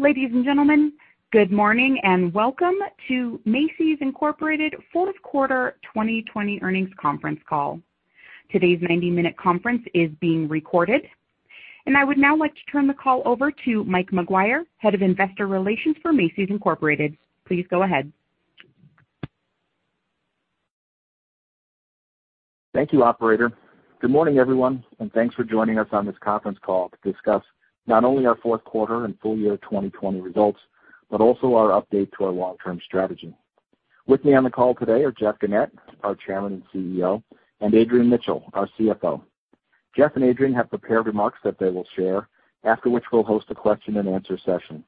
Ladies and gentlemen, good morning and welcome to Macy's, Incorporated. Q4 2020 earnings conference call. Today's 90-minute conference is being recorded, and I would now like to turn the call over to Mike McGuire, Head of Investor Relations for Macy's, Inc.. Please go ahead. Thank you, operator. Good morning, everyone, and thanks for joining us on this conference call to discuss not only our Q4 and full year 2020 results, but also our update to our long-term strategy. With me on the call today are Jeff Gennette, our Chairman and CEO, and Adrian Mitchell, our CFO. Jeff and Adrian have prepared remarks that they will share, after which we'll host a question and answer session.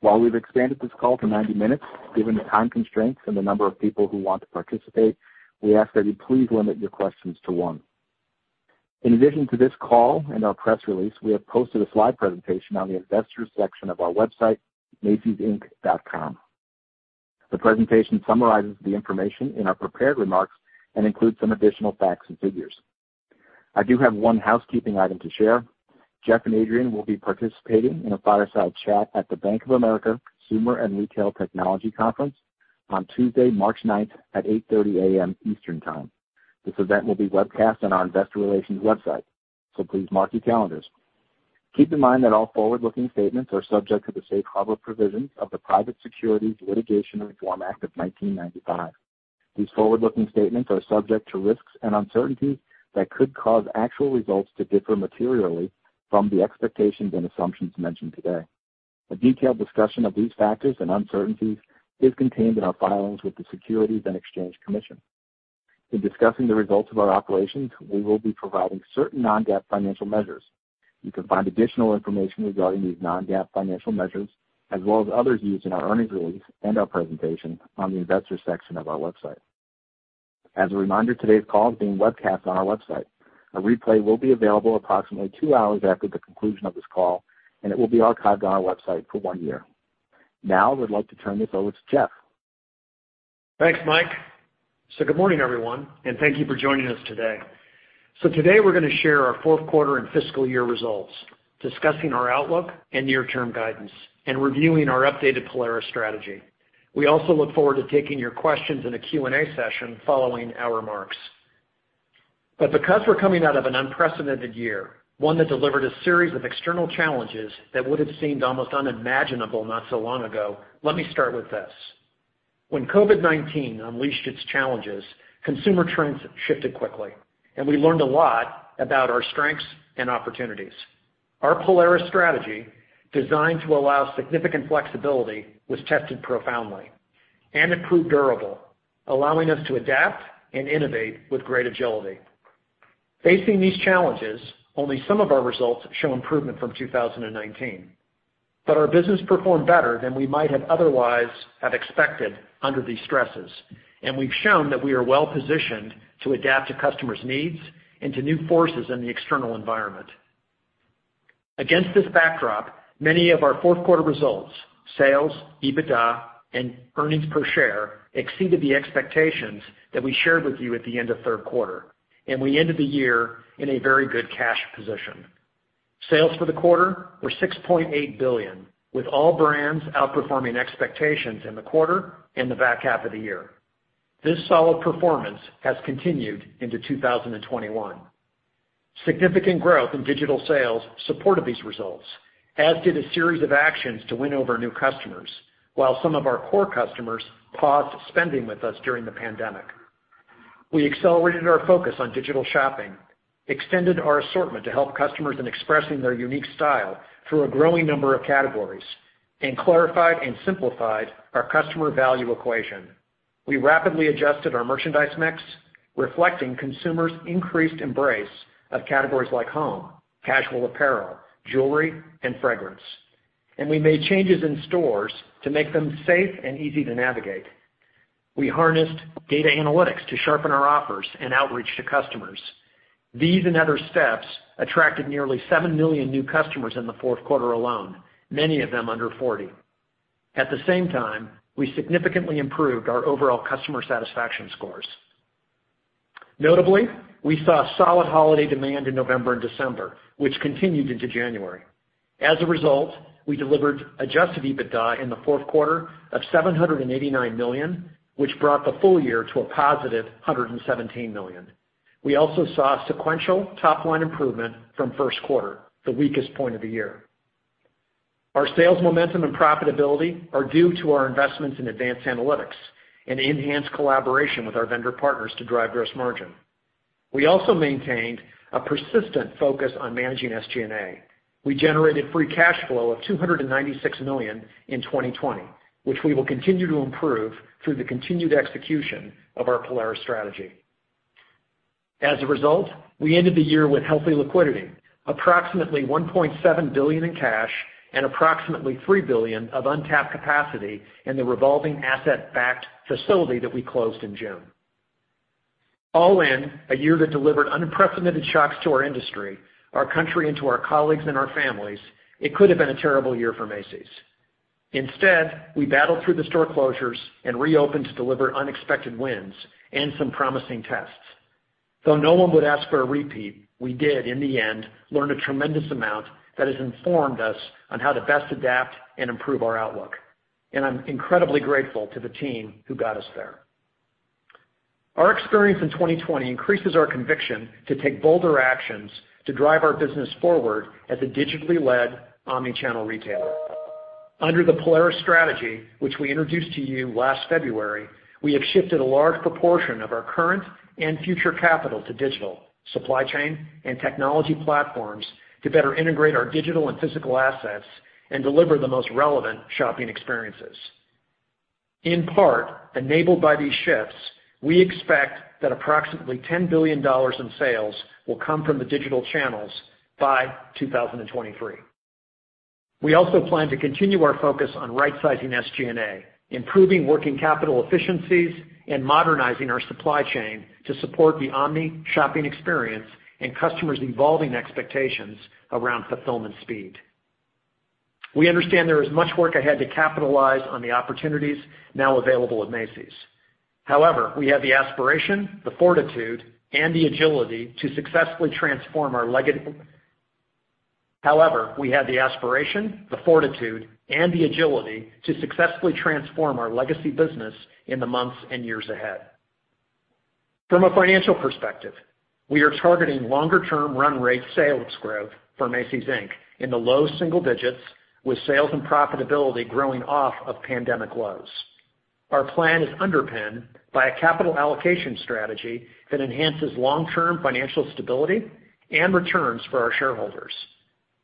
While we've expanded this call to 90 minutes, given the time constraints and the number of people who want to participate, we ask that you please limit your questions to one. In addition to this call and our press release, we have posted a slide presentation on the Investors section of our website, macysinc.com. The presentation summarizes the information in our prepared remarks and includes some additional facts and figures. I do have one housekeeping item to share. Jeff and Adrian will be participating in a fireside chat at the Bank of America Consumer and Retail Technology Conference on Tuesday, March 9th at 8:30 A.M. Eastern Time. This event will be webcast on our investor relations website, so please mark your calendars. Keep in mind that all forward-looking statements are subject to the safe harbor provisions of the Private Securities Litigation Reform Act of 1995. These forward-looking statements are subject to risks and uncertainties that could cause actual results to differ materially from the expectations and assumptions mentioned today. A detailed discussion of these factors and uncertainties is contained in our filings with the Securities and Exchange Commission. In discussing the results of our operations, we will be providing certain non-GAAP financial measures. You can find additional information regarding these non-GAAP financial measures, as well as others used in our earnings release and our presentation on the Investors section of our website. As a reminder, today's call is being webcast on our website. A replay will be available approximately two hours after the conclusion of this call, and it will be archived on our website for one year. Now, I'd like to turn this over to Jeff. Thanks, Mike. Good morning, everyone, and thank you for joining us today. Today, we're going to share our Q4 and fiscal year results, discussing our outlook and near-term guidance and reviewing our updated Polaris strategy. We also look forward to taking your questions in a Q&A session following our remarks. Because we're coming out of an unprecedented year, one that delivered a series of external challenges that would've seemed almost unimaginable not so long ago, let me start with this. When COVID-19 unleashed its challenges, consumer trends shifted quickly, and we learned a lot about our strengths and opportunities. Our Polaris strategy, designed to allow significant flexibility, was tested profoundly, and it proved durable, allowing us to adapt and innovate with great agility. Facing these challenges, only some of our results show improvement from 2019, but our business performed better than we might have otherwise have expected under these stresses, and we've shown that we are well-positioned to adapt to customers' needs and to new forces in the external environment. Against this backdrop, many of our Q4 results, sales, EBITDA, and earnings per share, exceeded the expectations that we shared with you at the end of third quarter, and we ended the year in a very good cash position. Sales for the quarter were $6.8 billion, with all brands outperforming expectations in the quarter and the back half of the year. This solid performance has continued into 2021. Significant growth in digital sales supported these results, as did a series of actions to win over new customers while some of our core customers paused spending with us during the pandemic. We accelerated our focus on digital shopping, extended our assortment to help customers in expressing their unique style through a growing number of categories, and clarified and simplified our customer value equation. We rapidly adjusted our merchandise mix, reflecting consumers' increased embrace of categories like home, casual apparel, jewelry, and fragrance, and we made changes in stores to make them safe and easy to navigate. We harnessed data analytics to sharpen our offers and outreach to customers. These and other steps attracted nearly seven million new customers in the Q4 alone, many of them under 40. At the same time, we significantly improved our overall customer satisfaction scores. Notably, we saw solid holiday demand in November and December, which continued into January. As a result, we delivered adjusted EBITDA in the Q4 of $789 million, which brought the full year to a positive $117 million. We also saw sequential top-line improvement from the Q1, the weakest point of the year. Our sales momentum and profitability are due to our investments in advanced analytics and enhanced collaboration with our vendor partners to drive gross margin. We also maintained a persistent focus on managing SG&A. We generated free cash flow of $296 million in 2020, which we will continue to improve through the continued execution of our Polaris strategy. As a result, we ended the year with healthy liquidity, approximately $1.7 billion in cash and approximately $3 billion of untapped capacity in the revolving asset-backed facility that we closed in June. All in, a year that delivered unprecedented shocks to our industry, our country, and to our colleagues and our families, it could have been a terrible year for Macy's. Instead, we battled through the store closures and reopened to deliver unexpected wins and some promising tests. Though no one would ask for a repeat, we did, in the end, learn a tremendous amount that has informed us on how to best adapt and improve our outlook. I'm incredibly grateful to the team who got us there. Our experience in 2020 increases our conviction to take bolder actions to drive our business forward as a digitally led omni-channel retailer. Under the Polaris strategy, which we introduced to you last February, we have shifted a large proportion of our current and future capital to digital, supply chain, and technology platforms to better integrate our digital and physical assets and deliver the most relevant shopping experiences. In part, enabled by these shifts, we expect that approximately $10 billion in sales will come from the digital channels by 2023. We also plan to continue our focus on rightsizing SG&A, improving working capital efficiencies, and modernizing our supply chain to support the omni shopping experience and customers' evolving expectations around fulfillment speed. We understand there is much work ahead to capitalize on the opportunities now available at Macy's. However, we have the aspiration, the fortitude, and the agility to successfully transform our legacy business in the months and years ahead. From a financial perspective, we are targeting longer-term run rate sales growth for Macy's Inc. in the low single digits, with sales and profitability growing off of pandemic lows. Our plan is underpinned by a capital allocation strategy that enhances long-term financial stability and returns for our shareholders.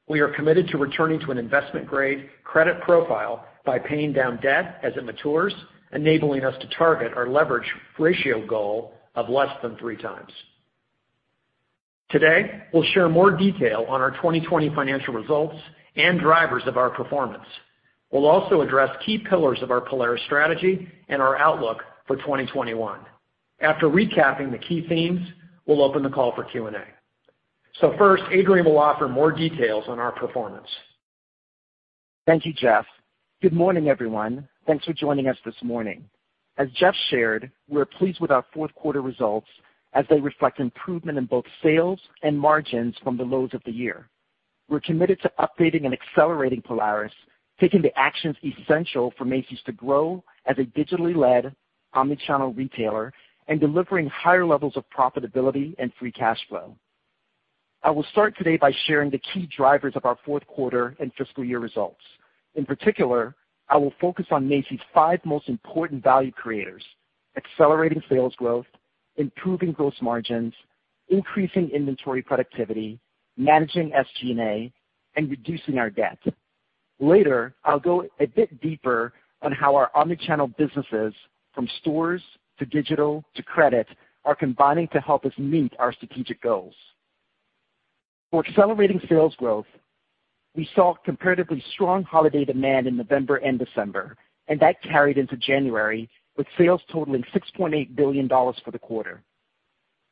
We are committed to returning to an investment-grade credit profile by paying down debt as it matures, enabling us to target our leverage ratio goal of less than three times. Today, we'll share more detail on our 2020 financial results and drivers of our performance. We'll also address key pillars of our Polaris strategy and our outlook for 2021. After recapping the key themes, we'll open the call for Q&A. First, Adrian will offer more details on our performance. Thank you, Jeff. Good morning, everyone. Thanks for joining us this morning. As Jeff shared, we're pleased with our Q4 results as they reflect improvement in both sales and margins from the lows of the year. We're committed to updating and accelerating Polaris, taking the actions essential for Macy's to grow as a digitally led omni-channel retailer, and delivering higher levels of profitability and free cash flow. I will start today by sharing the key drivers of our Q4 and fiscal year results. In particular, I will focus on Macy's five most important value creators: accelerating sales growth, improving gross margins, increasing inventory productivity, managing SG&A, and reducing our debt. Later, I'll go a bit deeper on how our omni-channel businesses, from stores to digital to credit, are combining to help us meet our strategic goals. For accelerating sales growth, we saw comparatively strong holiday demand in November and December, and that carried into January, with sales totaling $6.8 billion for the quarter.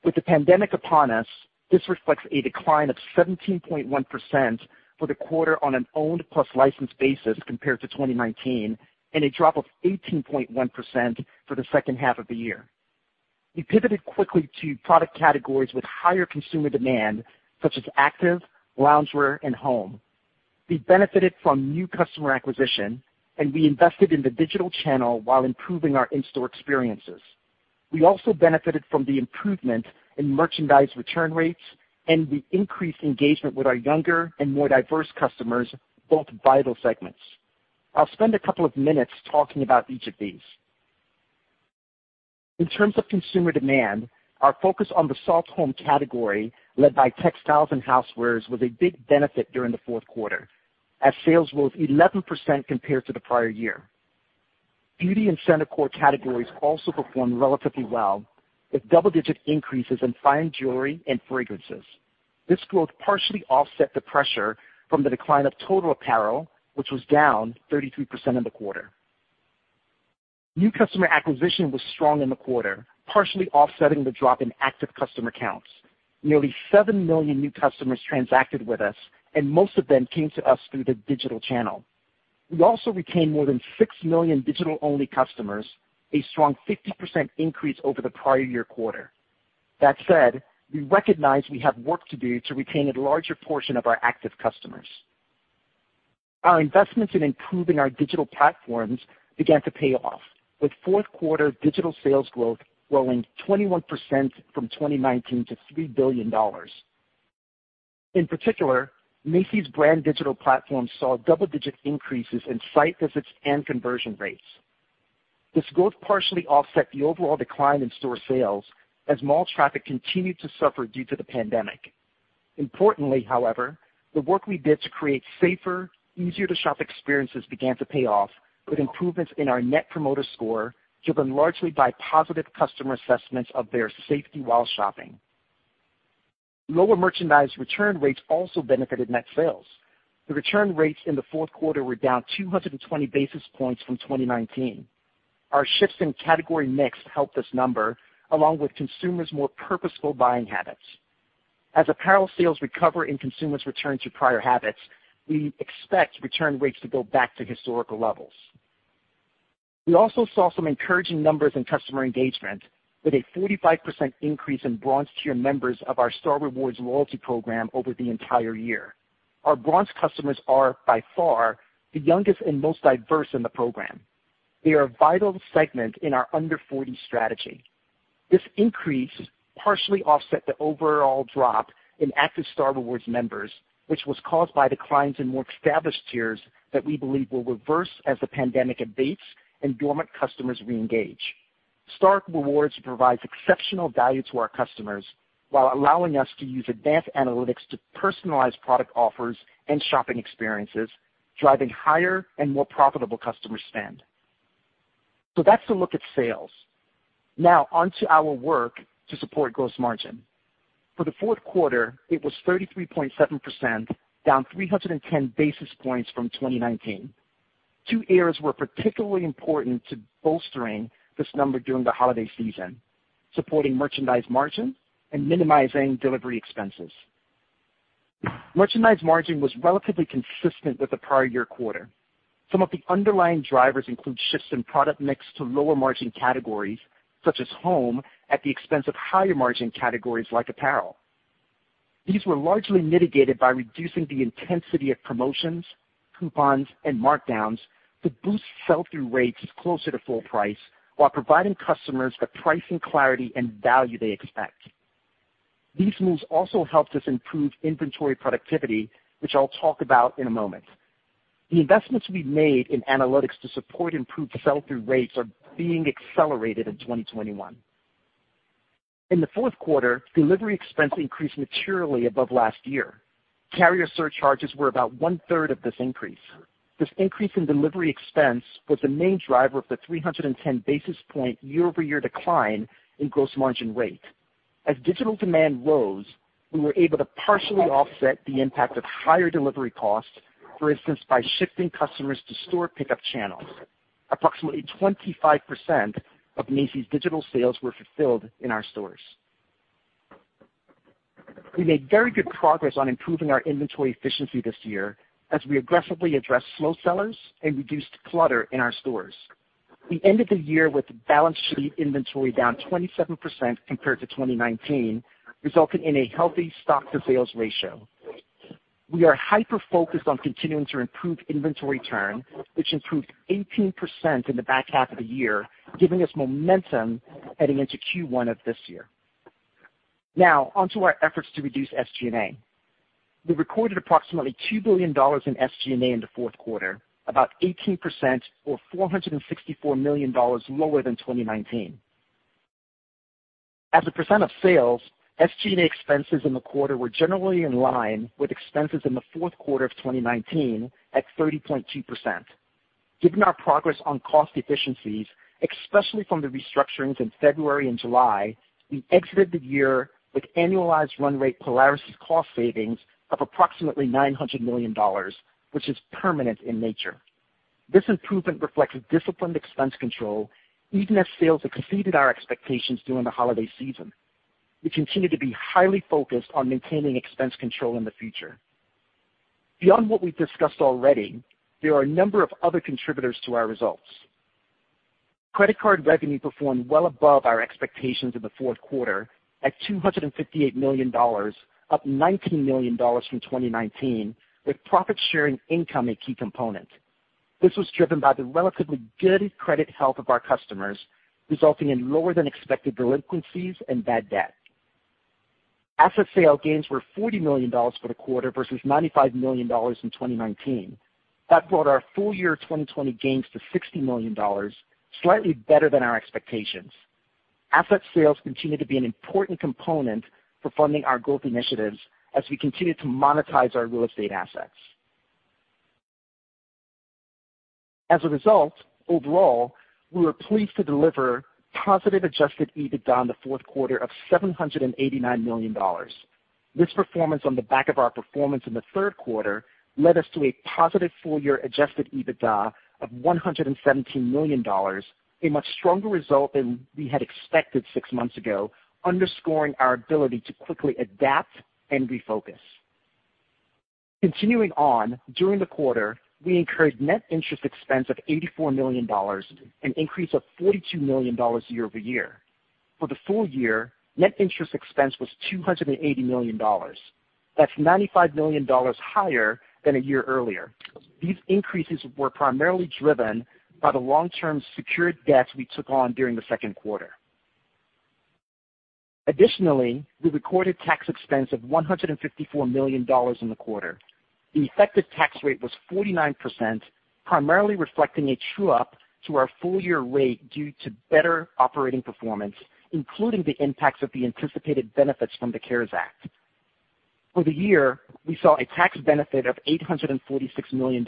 With the pandemic upon us, this reflects a decline of 17.1% for the quarter on an owned plus licensed basis compared to 2019, and a drop of 18.1% for the H2 of the year. We pivoted quickly to product categories with higher consumer demand, such as active, loungewear, and Home. We benefited from new customer acquisition, and we invested in the digital channel while improving our in-store experiences. We also benefited from the improvement in merchandise return rates and the increased engagement with our younger and more diverse customers, both vital segments. I'll spend a couple of minutes talking about each of these. In terms of consumer demand, our focus on the soft home category, led by textiles and housewares, was a big benefit during the Q4, as sales rose 11% compared to the prior year. Beauty and center core categories also performed relatively well, with double-digit increases in fine jewelry and fragrances. This growth partially offset the pressure from the decline of total apparel, which was down 33% in the quarter. New customer acquisition was strong in the quarter, partially offsetting the drop in active customer counts. Nearly seven million new customers transacted with us, and most of them came to us through the digital channel. We also retained more than six million digital-only customers, a strong 50% increase over the prior year quarter. That said, we recognize we have work to do to retain a larger portion of our active customers. Our investments in improving our digital platforms began to pay off, with Q4 digital sales growth growing 21% from 2019 to $3 billion. In particular, Macy's brand digital platforms saw double-digit increases in site visits and conversion rates. This growth partially offset the overall decline in store sales as mall traffic continued to suffer due to the pandemic. Importantly, however, the work we did to create safer, easier-to-shop experiences began to pay off with improvements in our Net Promoter Score, driven largely by positive customer assessments of their safety while shopping. Lower merchandise return rates also benefited net sales. The return rates in the Q4 were down 220 basis points from 2019. Our shifts in category mix helped this number, along with consumers' more purposeful buying habits. As apparel sales recover and consumers return to prior habits, we expect return rates to go back to historical levels. We also saw some encouraging numbers in customer engagement with a 45% increase in Bronze-tier members of our Star Rewards loyalty program over the entire year. Our bronze customers are, by far, the youngest and most diverse in the program. They are a vital segment in our under 40 strategy. This increase partially offset the overall drop in active Star Rewards members, which was caused by declines in more established tiers that we believe will reverse as the pandemic abates and dormant customers reengage. Star Rewards provides exceptional value to our customers while allowing us to use advanced analytics to personalize product offers and shopping experiences, driving higher and more profitable customer spend. That's a look at sales. Now, on to our work to support gross margin. For the Q4, it was 33.7%, down 310 basis points from 2019. Two areas were particularly important to bolstering this number during the holiday season: supporting merchandise margin and minimizing delivery expenses. Merchandise margin was relatively consistent with the prior year quarter. Some of the underlying drivers include shifts in product mix to lower-margin categories, such as home, at the expense of higher-margin categories like apparel. These were largely mitigated by reducing the intensity of promotions, coupons, and markdowns to boost sell-through rates closer to full price while providing customers the pricing clarity and value they expect. These moves also helped us improve inventory productivity, which I'll talk about in a moment. The investments we've made in analytics to support improved sell-through rates are being accelerated in 2021. In the Q4, delivery expense increased materially above last year. Carrier surcharges were about one-third of this increase. This increase in delivery expense was the main driver of the 310 basis point year-over-year decline in gross margin rate. As digital demand rose, we were able to partially offset the impact of higher delivery costs, for instance, by shifting customers to store pickup channels. Approximately 25% of Macy's digital sales were fulfilled in our stores. We made very good progress on improving our inventory efficiency this year as we aggressively addressed slow sellers and reduced clutter in our stores. We end the year with balance sheet inventory down 27% compared to 2019, resulting in a healthy stock-to-sales ratio. We are hyper-focused on continuing to improve inventory turn, which improved 18% in the back half of the year, giving us momentum heading into Q1 of this year. Now, on to our efforts to reduce SG&A. We recorded approximately $2 billion in SG&A in the Q4, about 18%, or $464 million, lower than 2019. As a % of sales, SG&A expenses in the quarter were generally in line with expenses in the Q4 of 2019 at 30.2%. Given our progress on cost efficiencies, especially from the restructurings in February and July, we exited the year with annualized run rate Polaris cost savings of approximately $900 million, which is permanent in nature. This improvement reflects disciplined expense control, even as sales exceeded our expectations during the holiday season. We continue to be highly focused on maintaining expense control in the future. Beyond what we've discussed already, there are a number of other contributors to our results. Credit card revenue performed well above our expectations in the Q4 at $258 million, up $19 million from 2019, with profit-sharing income a key component. This was driven by the relatively good credit health of our customers, resulting in lower-than-expected delinquencies and bad debt. Asset sale gains were $40 million for the quarter versus $95 million in 2019. That brought our full-year 2020 gains to $60 million, slightly better than our expectations. Asset sales continue to be an important component for funding our growth initiatives as we continue to monetize our real estate assets. As a result, overall, we were pleased to deliver positive adjusted EBITDA in the Q4 of $789 million. This performance on the back of our performance in the third quarter led us to a positive full-year adjusted EBITDA of $117 million, a much stronger result than we had expected six months ago, underscoring our ability to quickly adapt and refocus. Continuing on, during the quarter, we incurred net interest expense of $84 million, an increase of $42 million year-over-year. For the full year, net interest expense was $280 million. That's $95 million higher than a year earlier. These increases were primarily driven by the long-term secured debt we took on during the Q3. Additionally, we recorded tax expense of $154 million in the quarter. The effective tax rate was 49%, primarily reflecting a true-up to our full-year rate due to better operating performance, including the impacts of the anticipated benefits from the CARES Act. For the year, we saw a tax benefit of $846 million,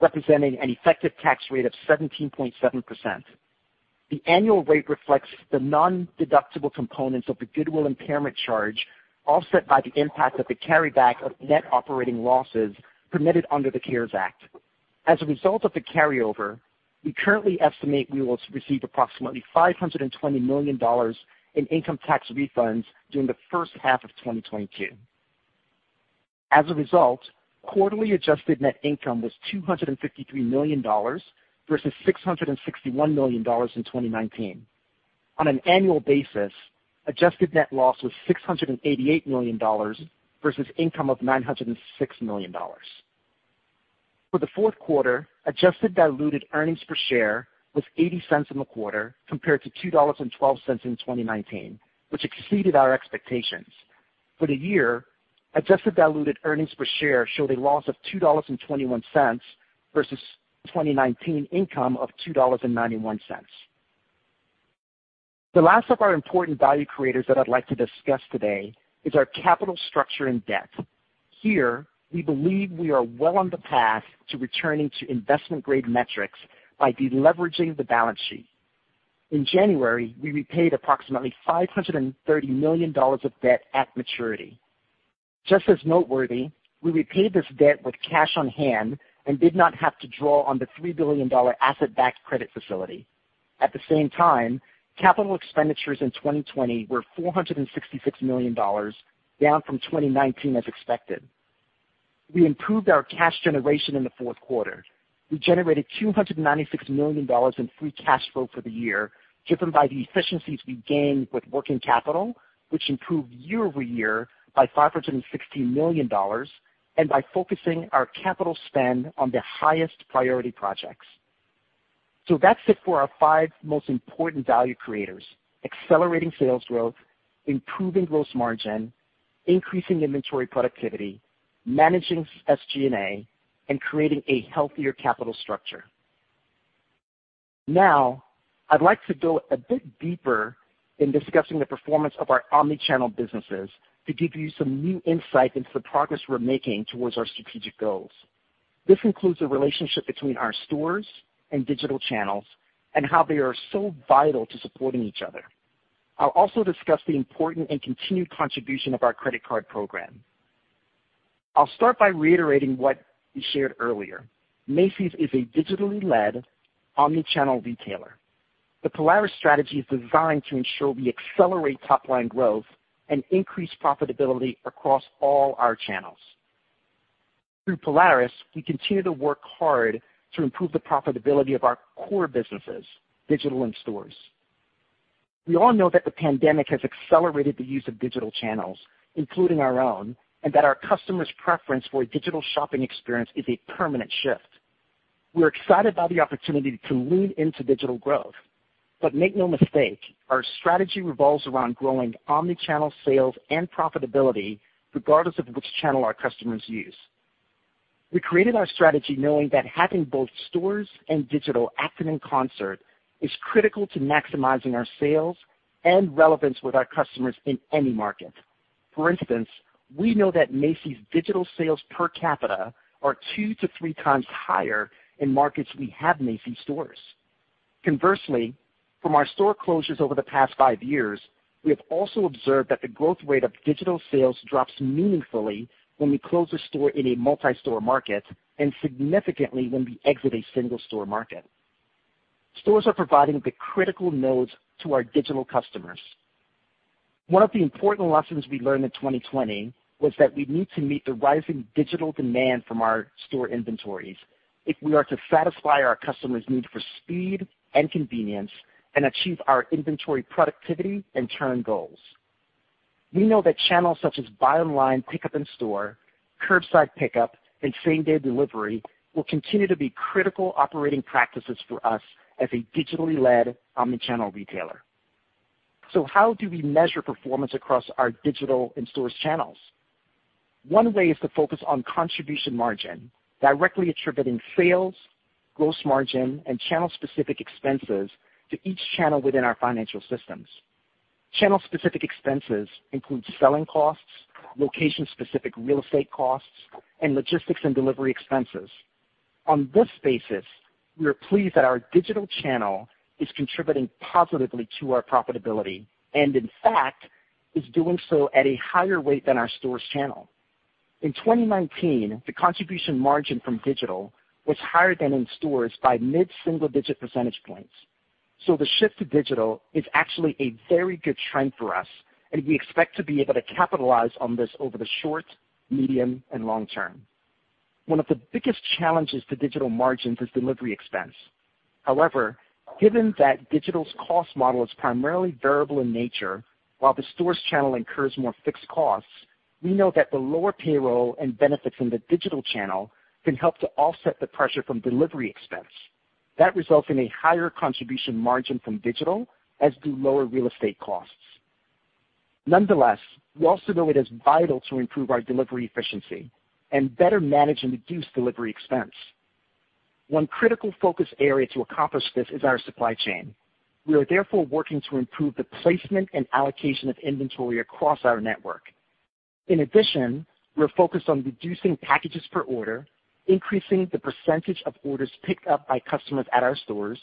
representing an effective tax rate of 17.7%. The annual rate reflects the non-deductible components of the goodwill impairment charge, offset by the impact of the carryback of net operating losses permitted under the CARES Act. As a result of the carryover, we currently estimate we will receive approximately $520 million in income tax refunds during the H1 of 2022. As a result, quarterly adjusted net income was $253 million versus $661 million in 2019. On an annual basis, adjusted net loss was $688 million versus income of $906 million. For the Q4, adjusted diluted earnings per share was $0.80 in the quarter, compared to $2.12 in 2019, which exceeded our expectations. For the year, adjusted diluted earnings per share showed a loss of $2.21 versus 2019 income of $2.91. The last of our important value creators that I'd like to discuss today is our capital structure and debt. Here, we believe we are well on the path to returning to investment-grade metrics by deleveraging the balance sheet. In January, we repaid approximately $530 million of debt at maturity. Just as noteworthy, we repaid this debt with cash on hand and did not have to draw on the $3 billion asset-backed credit facility. At the same time, capital expenditures in 2020 were $466 million, down from 2019 as expected. We improved our cash generation in the Q4. We generated $296 million in free cash flow for the year, driven by the efficiencies we gained with working capital, which improved year-over-year by $560 million, and by focusing our capital spend on the highest priority projects. That's it for our five most important value creators: accelerating sales growth, improving gross margin, increasing inventory productivity, managing SG&A, and creating a healthier capital structure. Now, I'd like to go a bit deeper in discussing the performance of our omnichannel businesses to give you some new insight into the progress we're making towards our strategic goals. This includes the relationship between our stores and digital channels and how they are so vital to supporting each other. I'll also discuss the important and continued contribution of our credit card program. I'll start by reiterating what we shared earlier. Macy's is a digitally led omnichannel retailer. The Polaris strategy is designed to ensure we accelerate top-line growth and increase profitability across all our channels. Through Polaris, we continue to work hard to improve the profitability of our core businesses, digital and stores. We all know that the pandemic has accelerated the use of digital channels, including our own, and that our customers' preference for a digital shopping experience is a permanent shift. We're excited by the opportunity to lean into digital growth. Make no mistake, our strategy revolves around growing omnichannel sales and profitability regardless of which channel our customers use. We created our strategy knowing that having both stores and digital acting in concert is critical to maximizing our sales and relevance with our customers in any market. For instance, we know that Macy's digital sales per capita are two to three times higher in markets we have Macy's stores. Conversely, from our store closures over the past five years, we have also observed that the growth rate of digital sales drops meaningfully when we close a store in a multi-store market and significantly when we exit a single-store market. Stores are providing the critical nodes to our digital customers. One of the important lessons we learned in 2020 was that we need to meet the rising digital demand from our store inventories if we are to satisfy our customers' need for speed and convenience and achieve our inventory productivity and turn goals. We know that channels such as buy online, pickup in store, curbside pickup, and same-day delivery will continue to be critical operating practices for us as a digitally led omnichannel retailer. How do we measure performance across our digital and stores channels? One way is to focus on contribution margin, directly attributing sales, gross margin, and channel-specific expenses to each channel within our financial systems. Channel-specific expenses include selling costs, location-specific real estate costs, and logistics and delivery expenses. On this basis, we are pleased that our digital channel is contributing positively to our profitability and, in fact, is doing so at a higher rate than our stores channel. In 2019, the contribution margin from digital was higher than in stores by mid-single-digit percentage points. The shift to digital is actually a very good trend for us, and we expect to be able to capitalize on this over the short, medium, and long term. One of the biggest challenges to digital margins is delivery expense. Given that digital's cost model is primarily variable in nature while the stores channel incurs more fixed costs, we know that the lower payroll and benefits in the digital channel can help to offset the pressure from delivery expense. That results in a higher contribution margin from digital, as do lower real estate costs. We also know it is vital to improve our delivery efficiency and better manage and reduce delivery expense. One critical focus area to accomplish this is our supply chain. We are therefore working to improve the placement and allocation of inventory across our network. In addition, we're focused on reducing packages per order, increasing the percentage of orders picked up by customers at our stores,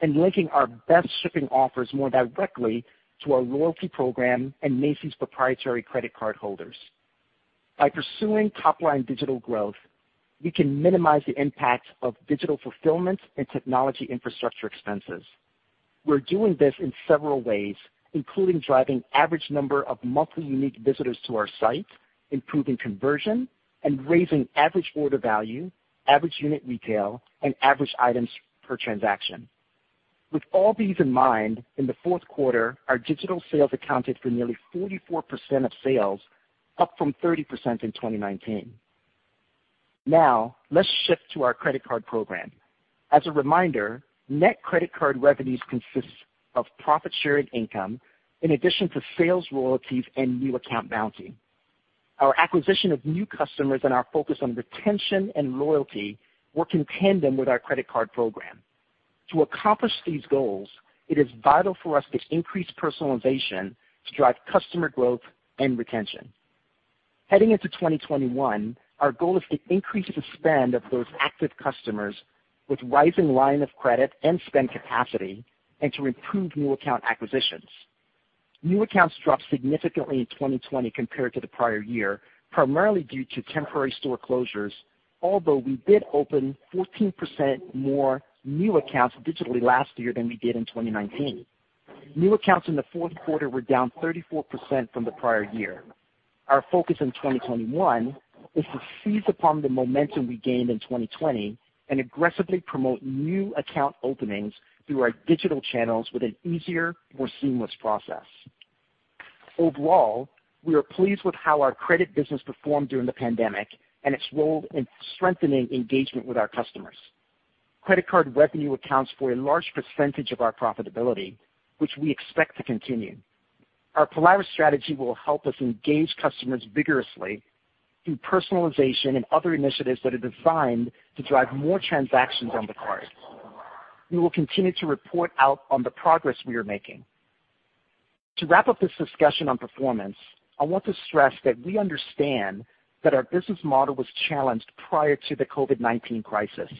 and linking our best shipping offers more directly to our loyalty program and Macy's proprietary credit card holders. By pursuing top-line digital growth, we can minimize the impact of digital fulfillment and technology infrastructure expenses. We're doing this in several ways, including driving average number of monthly unique visitors to our site, improving conversion, and raising average order value, average unit retail, and average items per transaction. Now, with all these in mind, in the Q4, our digital sales accounted for nearly 44% of sales, up from 30% in 2019. Now, let's shift to our credit card program. As a reminder, net credit card revenues consists of profit sharing income, in addition to sales royalties and new account bounty. Our acquisition of new customers and our focus on retention and loyalty work in tandem with our credit card program. To accomplish these goals, it is vital for us to increase personalization to drive customer growth and retention. Heading into 2021, our goal is to increase the spend of those active customers with rising line of credit and spend capacity, and to improve new account acquisitions. New accounts dropped significantly in 2020 compared to the prior year, primarily due to temporary store closures, although we did open 14% more new accounts digitally last year than we did in 2019. New accounts in the Q4 were down 34% from the prior year. Our focus in 2021 is to seize upon the momentum we gained in 2020 and aggressively promote new account openings through our digital channels with an easier, more seamless process. Overall, we are pleased with how our credit business performed during the pandemic and its role in strengthening engagement with our customers. Credit card revenue accounts for a large percentage of our profitability, which we expect to continue. Our Polaris strategy will help us engage customers vigorously through personalization and other initiatives that are designed to drive more transactions on the card. We will continue to report out on the progress we are making. To wrap up this discussion on performance, I want to stress that we understand that our business model was challenged prior to the COVID-19 crisis,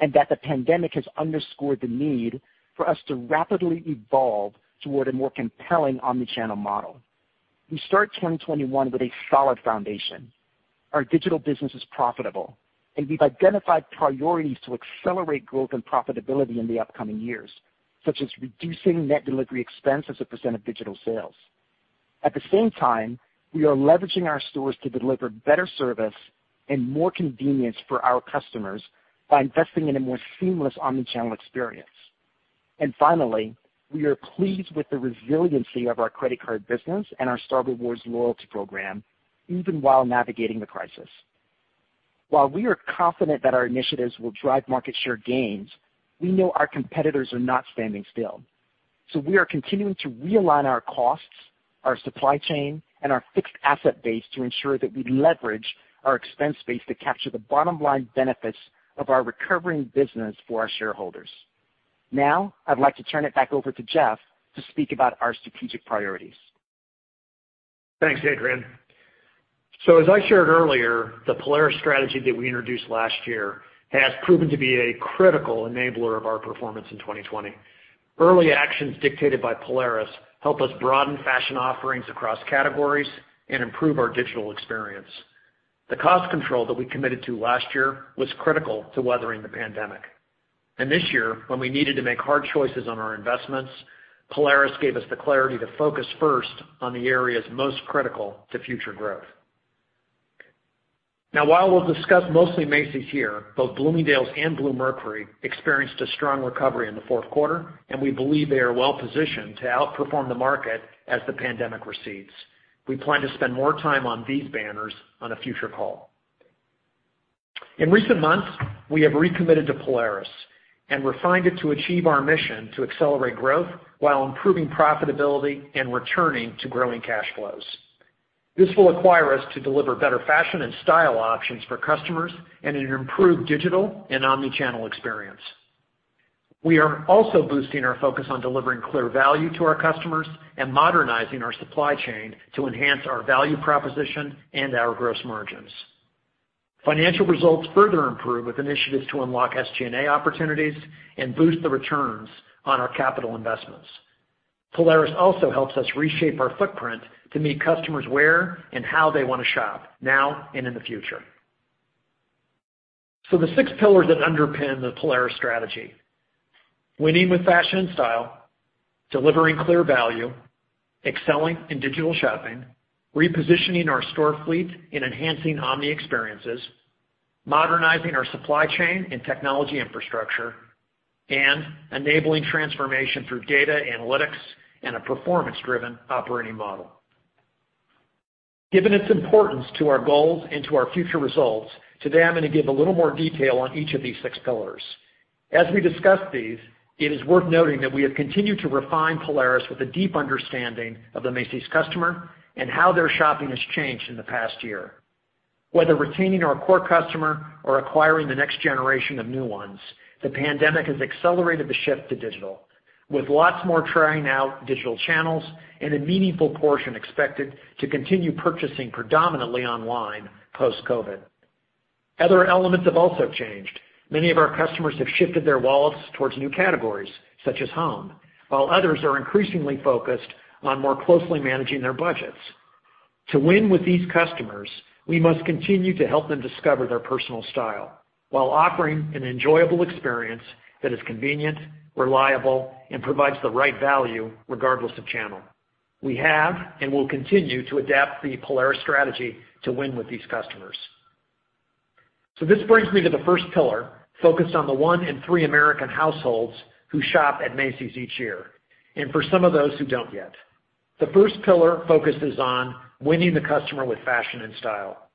and that the pandemic has underscored the need for us to rapidly evolve toward a more compelling omni-channel model. We start 2021 with a solid foundation. Our digital business is profitable. We've identified priorities to accelerate growth and profitability in the upcoming years, such as reducing net delivery expense as a % of digital sales. At the same time, we are leveraging our stores to deliver better service and more convenience for our customers by investing in a more seamless omnichannel experience. Finally, we are pleased with the resiliency of our credit card business and our Star Rewards loyalty program, even while navigating the crisis. While we are confident that our initiatives will drive market share gains, we know our competitors are not standing still. We are continuing to realign our costs, our supply chain, and our fixed asset base to ensure that we leverage our expense base to capture the bottom-line benefits of our recovering business for our shareholders. I'd like to turn it back over to Jeff to speak about our strategic priorities. Thanks, Adrian. As I shared earlier, the Polaris strategy that we introduced last year has proven to be a critical enabler of our performance in 2020. Early actions dictated by Polaris help us broaden fashion offerings across categories and improve our digital experience. The cost control that we committed to last year was critical to weathering the pandemic. This year, when we needed to make hard choices on our investments, Polaris gave us the clarity to focus first on the areas most critical to future growth. While we'll discuss mostly Macy's here, both Bloomingdale's and Bluemercury experienced a strong recovery in the Q4, and we believe they are well-positioned to outperform the market as the pandemic recedes. We plan to spend more time on these banners on a future call. In recent months, we have recommitted to Polaris and refined it to achieve our mission to accelerate growth while improving profitability and returning to growing cash flows. This will require us to deliver better fashion and style options for customers and an improved digital and omni-channel experience. We are also boosting our focus on delivering clear value to our customers and modernizing our supply chain to enhance our value proposition and our gross margins. Financial results further improve with initiatives to unlock SG&A opportunities and boost the returns on our capital investments. Polaris also helps us reshape our footprint to meet customers where and how they want to shop, now and in the future. The six pillars that underpin the Polaris strategy: winning with fashion and style, delivering clear value, excelling in digital shopping, repositioning our store fleet and enhancing omni experiences, modernizing our supply chain and technology infrastructure, and enabling transformation through data analytics and a performance-driven operating model. Given its importance to our goals and to our future results, today I'm going to give a little more detail on each of these six pillars. As we discuss these, it is worth noting that we have continued to refine Polaris with a deep understanding of the Macy's customer and how their shopping has changed in the past year. Whether retaining our core customer or acquiring the next generation of new ones, the pandemic has accelerated the shift to digital, with lots more trying out digital channels and a meaningful portion expected to continue purchasing predominantly online post-COVID. Other elements have also changed. Many of our customers have shifted their wallets towards new categories such as Home, while others are increasingly focused on more closely managing their budgets. To win with these customers, we must continue to help them discover their personal style while offering an enjoyable experience that is convenient, reliable, and provides the right value regardless of channel. We have and will continue to adapt the Polaris strategy to win with these customers. This brings me to the first pillar, focused on the one in three American households who shop at Macy's each year, and for some of those who don't yet. The first pillar focuses on winning the customer with fashion and style.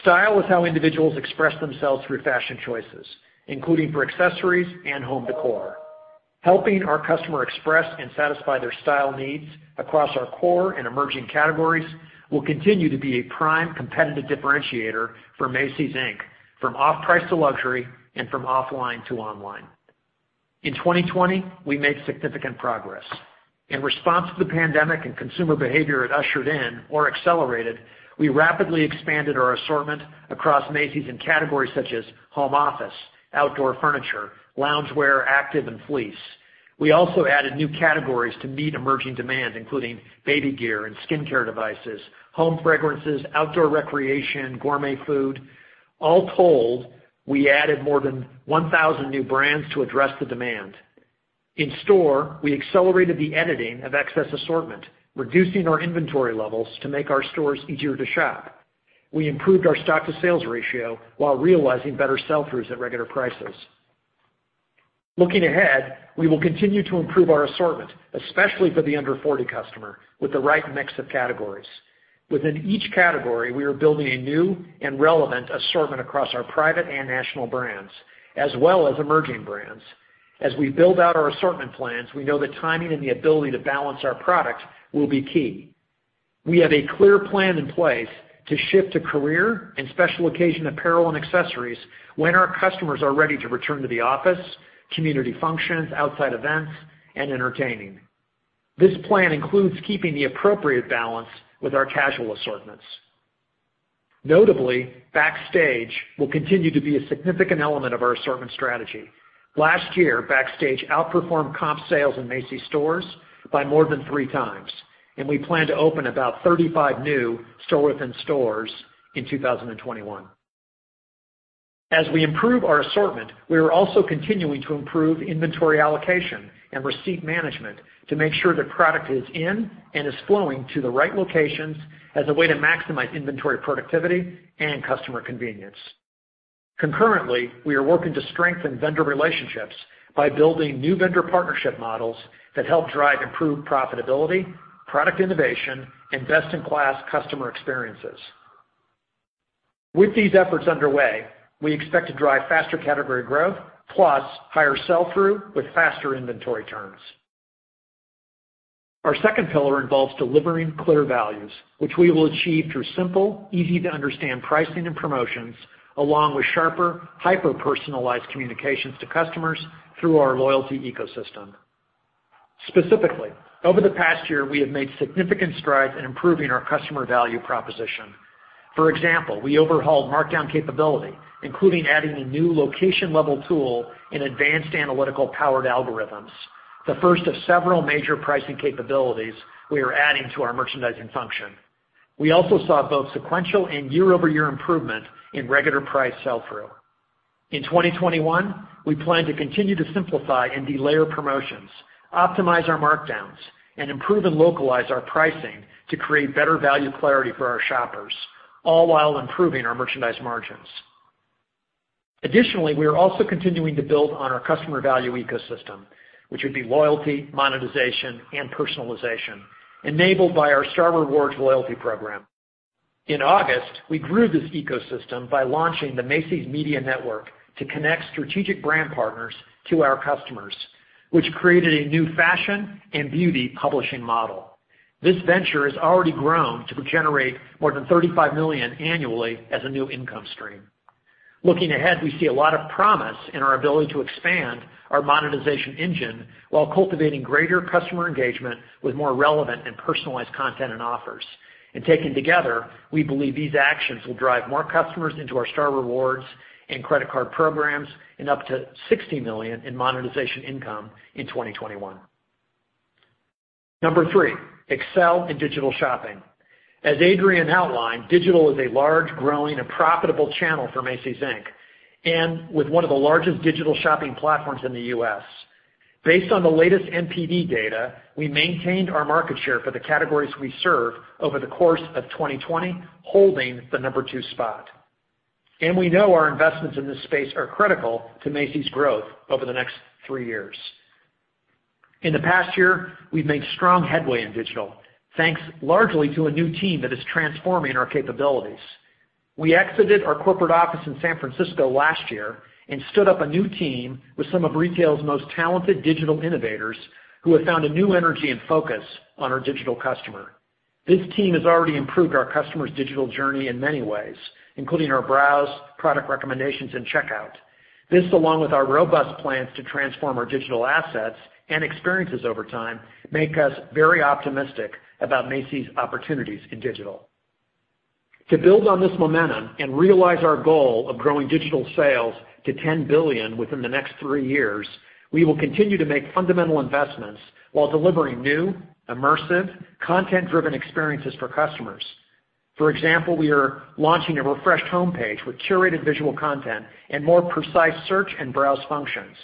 Style is how individuals express themselves through fashion choices, including for accessories and Home decor. Helping our customer express and satisfy their style needs across our core and emerging categories will continue to be a prime competitive differentiator for Macy's Inc, from off-price to luxury and from offline to online. In 2020, we made significant progress. In response to the pandemic and consumer behavior it ushered in or accelerated, we rapidly expanded our assortment across Macy's in categories such as home office, outdoor furniture, loungewear, active, and fleece. We also added new categories to meet emerging demand, including baby gear and skincare devices, home fragrances, outdoor recreation, gourmet food. All told, we added more than 1,000 new brands to address the demand. In store, we accelerated the editing of excess assortment, reducing our inventory levels to make our stores easier to shop. We improved our stock-to-sales ratio while realizing better sell-throughs at regular prices. Looking ahead, we will continue to improve our assortment, especially for the under-40 customer, with the right mix of categories. Within each category, we are building a new and relevant assortment across our private and national brands, as well as emerging brands. As we build out our assortment plans, we know that timing and the ability to balance our product will be key. We have a clear plan in place to shift to career and special occasion apparel and accessories when our customers are ready to return to the office, community functions, outside events, and entertaining. This plan includes keeping the appropriate balance with our casual assortments. Notably, Backstage will continue to be a significant element of our assortment strategy. Last year, Backstage outperformed comp sales in Macy's stores by more than three times, and we plan to open about 35 new store-within-stores in 2021. As we improve our assortment, we are also continuing to improve inventory allocation and receipt management to make sure that product is in and is flowing to the right locations as a way to maximize inventory productivity and customer convenience. Concurrently, we are working to strengthen vendor relationships by building new vendor partnership models that help drive improved profitability, product innovation, and best-in-class customer experiences. With these efforts underway, we expect to drive faster category growth plus higher sell-through with faster inventory turns. Our second pillar involves delivering clear values, which we will achieve through simple, easy-to-understand pricing and promotions, along with sharper, hyper-personalized communications to customers through our loyalty ecosystem. Specifically, over the past year, we have made significant strides in improving our customer value proposition. For example, we overhauled markdown capability, including adding a new location-level tool and advanced analytical-powered algorithms, the first of several major pricing capabilities we are adding to our merchandising function. We also saw both sequential and year-over-year improvement in regular price sell-through. In 2021, we plan to continue to simplify and de-layer promotions, optimize our markdowns, and improve and localize our pricing to create better value clarity for our shoppers, all while improving our merchandise margins. Additionally, we are also continuing to build on our customer value ecosystem, which would be loyalty, monetization, and personalization, enabled by our Star Rewards loyalty program. In August, we grew this ecosystem by launching the Macy's Media Network to connect strategic brand partners to our customers, which created a new fashion and beauty publishing model. This venture has already grown to generate more than $35 million annually as a new income stream. Looking ahead, we see a lot of promise in our ability to expand our monetization engine while cultivating greater customer engagement with more relevant and personalized content and offers. Taken together, we believe these actions will drive more customers into our Star Rewards and credit card programs and up to $60 million in monetization income in 2021. Number three, excel in digital shopping. As Adrian outlined, digital is a large, growing, and profitable channel for Macy's, Inc. With one of the largest digital shopping platforms in the U.S. Based on the latest NPD data, we maintained our market share for the categories we serve over the course of 2020, holding the number two spot. We know our investments in this space are critical to Macy's growth over the next three years. In the past year, we've made strong headway in digital, thanks largely to a new team that is transforming our capabilities. We exited our corporate office in San Francisco last year and stood up a new team with some of retail's most talented digital innovators who have found a new energy and focus on our digital customer. This team has already improved our customers' digital journey in many ways, including our browse, product recommendations, and checkout. This, along with our robust plans to transform our digital assets and experiences over time, make us very optimistic about Macy's opportunities in digital. To build on this momentum and realize our goal of growing digital sales to $10 billion within the next three years, we will continue to make fundamental investments while delivering new, immersive, content-driven experiences for customers. For example, we are launching a refreshed homepage with curated visual content and more precise search and browse functions,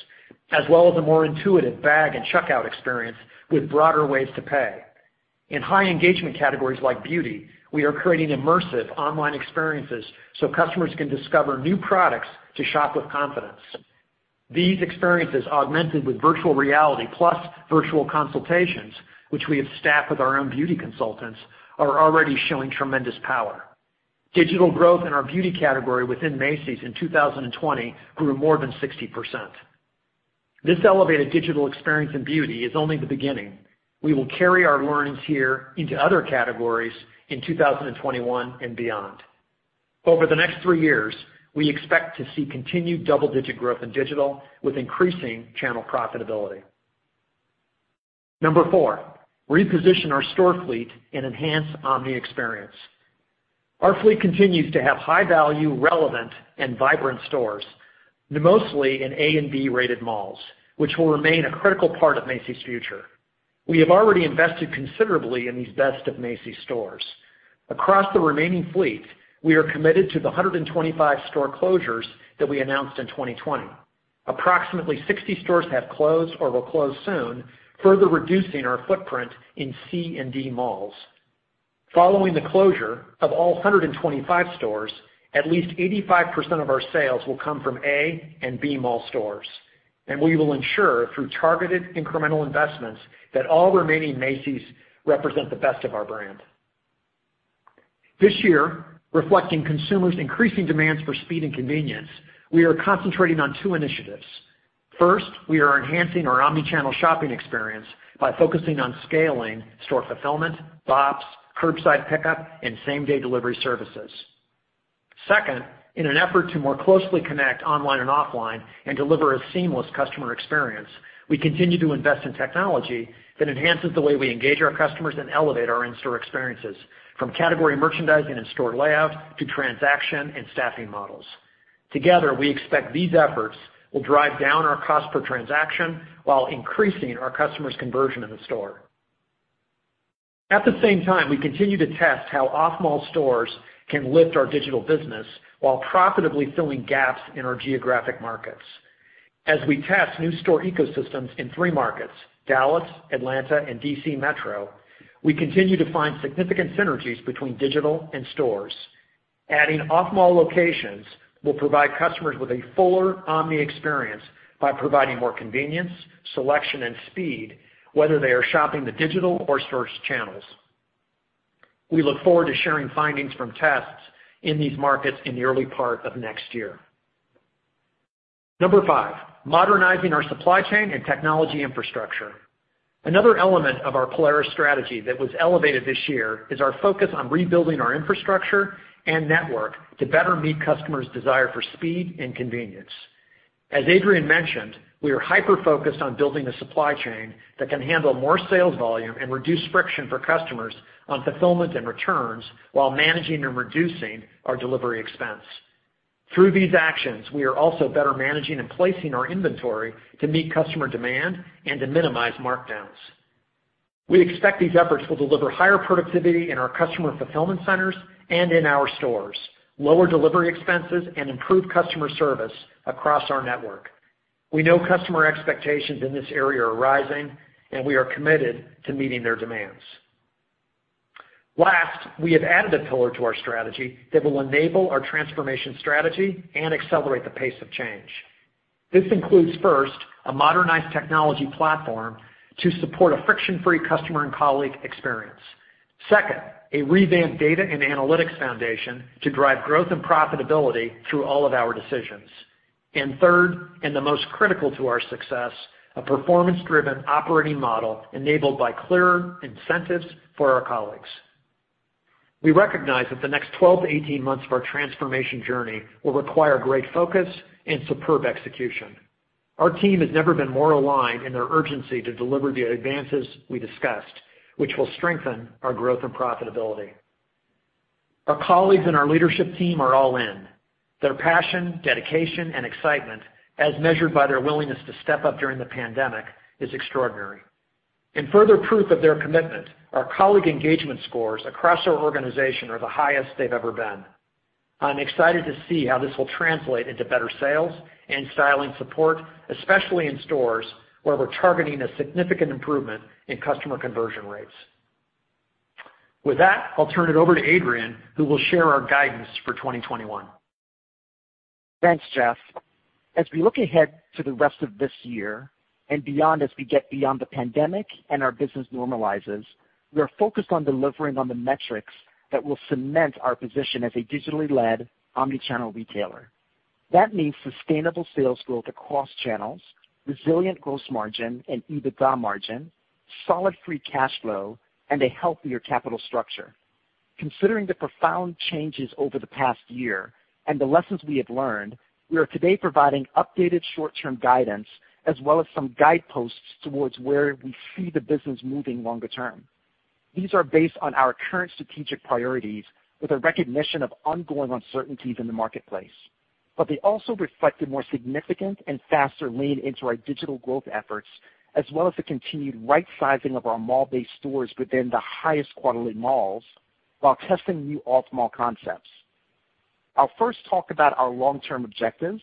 as well as a more intuitive bag and checkout experience with broader ways to pay. In high engagement categories like beauty, we are creating immersive online experiences so customers can discover new products to shop with confidence. These experiences augmented with virtual reality plus virtual consultations, which we have staffed with our own beauty consultants, are already showing tremendous power. Digital growth in our beauty category within Macy's in 2020 grew more than 60%. This elevated digital experience in beauty is only the beginning. We will carry our learnings here into other categories in 2021 and beyond. Over the next three years, we expect to see continued double-digit growth in digital with increasing channel profitability. Number four, reposition our store fleet and enhance omni experience. Our fleet continues to have high-value, relevant, and vibrant stores, mostly in A and B-rated malls, which will remain a critical part of Macy's future. We have already invested considerably in these best of Macy's stores. Across the remaining fleet, we are committed to the 125 store closures that we announced in 2020. Approximately 60 stores have closed or will close soon, further reducing our footprint in C and D malls. Following the closure of all 125 stores, at least 85% of our sales will come from A and B mall stores, and we will ensure through targeted incremental investments that all remaining Macy's represent the best of our brand. This year, reflecting consumers' increasing demands for speed and convenience, we are concentrating on two initiatives. First, we are enhancing our omnichannel shopping experience by focusing on scaling store fulfillment, BOPIS, curbside pickup, and same-day delivery services. Second, in an effort to more closely connect online and offline and deliver a seamless customer experience, we continue to invest in technology that enhances the way we engage our customers and elevate our in-store experiences, from category merchandising and store layout to transaction and staffing models. Together, we expect these efforts will drive down our cost per transaction while increasing our customers' conversion in the store. At the same time, we continue to test how off-mall stores can lift our digital business while profitably filling gaps in our geographic markets. As we test new store ecosystems in three markets, Dallas, Atlanta, and D.C. Metro, we continue to find significant synergies between digital and stores. Adding off-mall locations will provide customers with a fuller omni experience by providing more convenience, selection, and speed, whether they are shopping the digital or store channels. We look forward to sharing findings from tests in these markets in the early part of next year. Number five, modernizing our supply chain and technology infrastructure. Another element of our Polaris strategy that was elevated this year is our focus on rebuilding our infrastructure and network to better meet customers' desire for speed and convenience. As Adrian mentioned, we are hyper-focused on building a supply chain that can handle more sales volume and reduce friction for customers on fulfillment and returns while managing and reducing our delivery expense. Through these actions, we are also better managing and placing our inventory to meet customer demand and to minimize markdowns. We expect these efforts will deliver higher productivity in our customer fulfillment centers and in our stores, lower delivery expenses, and improved customer service across our network. We know customer expectations in this area are rising, and we are committed to meeting their demands. Last, we have added a pillar to our strategy that will enable our transformation strategy and accelerate the pace of change. This includes, first, a modernized technology platform to support a friction-free customer and colleague experience. Second, a revamped data and analytics foundation to drive growth and profitability through all of our decisions. Third, and the most critical to our success, a performance-driven operating model enabled by clear incentives for our colleagues. We recognize that the next 12 to 18 months of our transformation journey will require great focus and superb execution. Our team has never been more aligned in their urgency to deliver the advances we discussed, which will strengthen our growth and profitability. Our colleagues and our leadership team are all in. Their passion, dedication, and excitement, as measured by their willingness to step up during the pandemic, is extraordinary. In further proof of their commitment, our colleague engagement scores across our organization are the highest they've ever been. I'm excited to see how this will translate into better sales and styling support, especially in stores where we're targeting a significant improvement in customer conversion rates. With that, I'll turn it over to Adrian, who will share our guidance for 2021. Thanks, Jeff. As we look ahead to the rest of this year and beyond as we get beyond the pandemic and our business normalizes, we are focused on delivering on the metrics that will cement our position as a digitally led omnichannel retailer. That means sustainable sales growth across channels, resilient gross margin and EBITDA margin, solid free cash flow, and a healthier capital structure. Considering the profound changes over the past year and the lessons we have learned, we are today providing updated short-term guidance as well as some guideposts towards where we see the business moving longer term. These are based on our current strategic priorities with a recognition of ongoing uncertainties in the marketplace. They also reflect a more significant and faster lean into our digital growth efforts, as well as the continued rightsizing of our mall-based stores within the highest quality malls while testing new off-mall concepts. I'll first talk about our long-term objectives,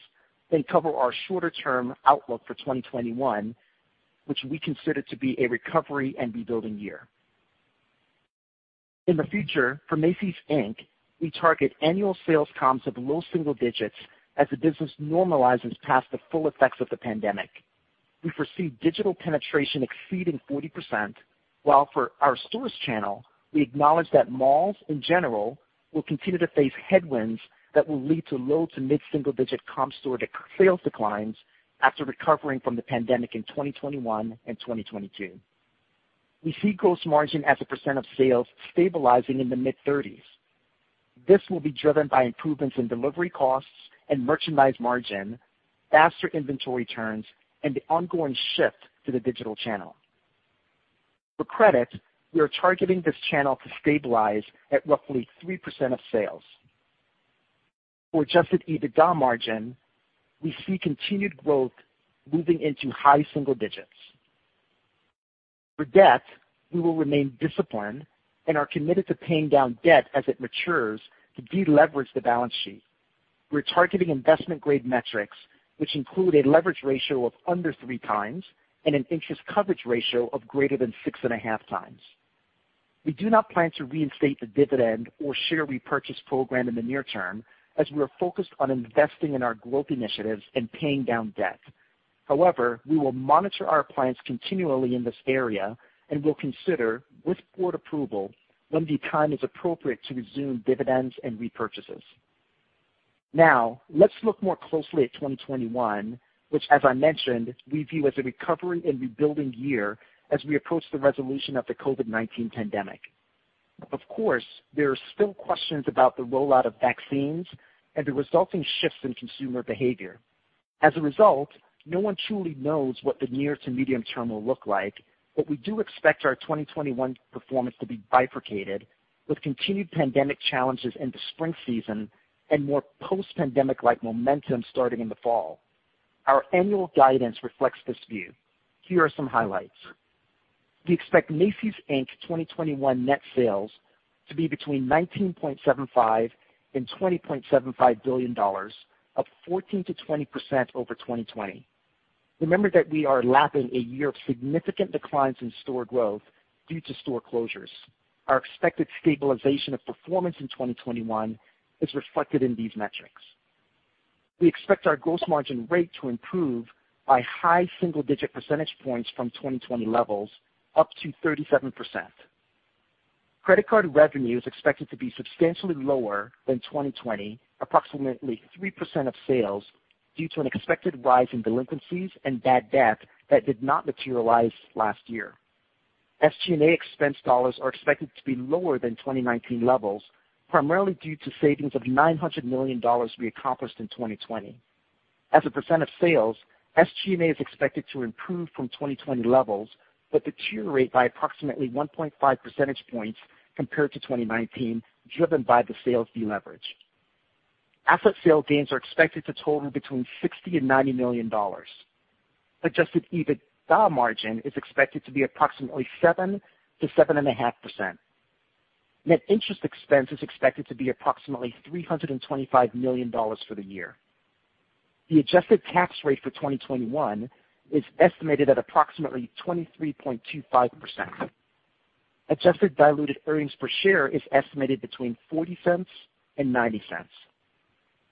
then cover our shorter-term outlook for 2021, which we consider to be a recovery and rebuilding year. In the future, for Macy's, Inc., we target annual sales comps of low single digits as the business normalizes past the full effects of the pandemic. We foresee digital penetration exceeding 40%, while for our stores channel, we acknowledge that malls in general will continue to face headwinds that will lead to low to mid-single-digit comp store sales declines after recovering from the pandemic in 2021 and 2022. We see gross margin as a percent of sales stabilizing in the mid-30s. This will be driven by improvements in delivery costs and merchandise margin, faster inventory turns, and the ongoing shift to the digital channel. For credit, we are targeting this channel to stabilize at roughly 3% of sales. For adjusted EBITDA margin, we see continued growth moving into high single digits. For debt, we will remain disciplined and are committed to paying down debt as it matures to deleverage the balance sheet. We're targeting investment-grade metrics, which include a leverage ratio of under three times and an interest coverage ratio of greater than six and a half times. We do not plan to reinstate the dividend or share repurchase program in the near term, as we are focused on investing in our growth initiatives and paying down debt. However, we will monitor our plans continually in this area and will consider, with board approval, when the time is appropriate to resume dividends and repurchases. Now, let's look more closely at 2021, which, as I mentioned, we view as a recovery and rebuilding year as we approach the resolution of the COVID-19 pandemic. Of course, there are still questions about the rollout of vaccines and the resulting shifts in consumer behavior. As a result, no one truly knows what the near to medium term will look like, but we do expect our 2021 performance to be bifurcated, with continued pandemic challenges in the spring season and more post-pandemic-like momentum starting in the fall. Our annual guidance reflects this view. Here are some highlights. We expect Macy's, Inc. 2021 net sales to be between $19.75 billion and $20.75 billion, up 14%-20% over 2020. Remember that we are lapping a year of significant declines in store growth due to store closures. Our expected stabilization of performance in 2021 is reflected in these metrics. We expect our gross margin rate to improve by high single-digit percentage points from 2020 levels up to 37%. Credit card revenue is expected to be substantially lower than 2020, approximately 3% of sales, due to an expected rise in delinquencies and bad debt that did not materialize last year. SG&A expense dollars are expected to be lower than 2019 levels, primarily due to savings of $900 million we accomplished in 2020. As a percent of sales, SG&A is expected to improve from 2020 levels, but deteriorate by approximately 1.5 percentage points compared to 2019, driven by the sales deleverage. Asset sale gains are expected to total between $60 million and $90 million. Adjusted EBITDA margin is expected to be approximately 7%-7.5%. Net interest expense is expected to be approximately $325 million for the year. The adjusted tax rate for 2021 is estimated at approximately 23.25%. Adjusted diluted EPS is estimated between $0.40 and $0.90.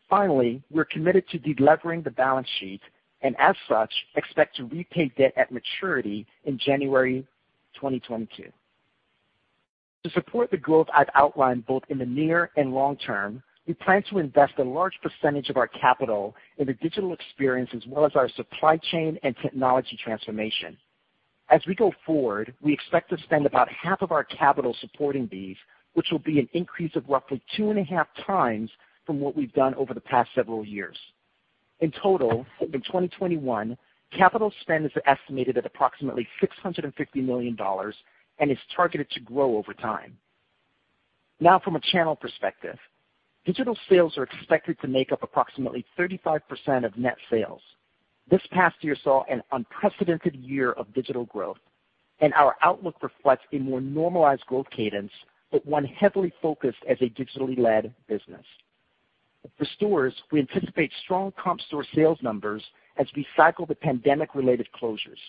Finally, we're committed to delevering the balance sheet, and as such, expect to repay debt at maturity in January 2022. To support the growth I've outlined both in the near and long term, we plan to invest a large percentage of our capital in the digital experience, as well as our supply chain and technology transformation. As we go forward, we expect to spend about half of our capital supporting these, which will be an increase of roughly two and a half times from what we've done over the past several years. In total, in 2021, capital spend is estimated at approximately $650 million and is targeted to grow over time. Now from a channel perspective, digital sales are expected to make up approximately 35% of net sales. This past year saw an unprecedented year of digital growth, and our outlook reflects a more normalized growth cadence, but one heavily focused as a digitally led business. For stores, we anticipate strong comp store sales numbers as we cycle the pandemic-related closures.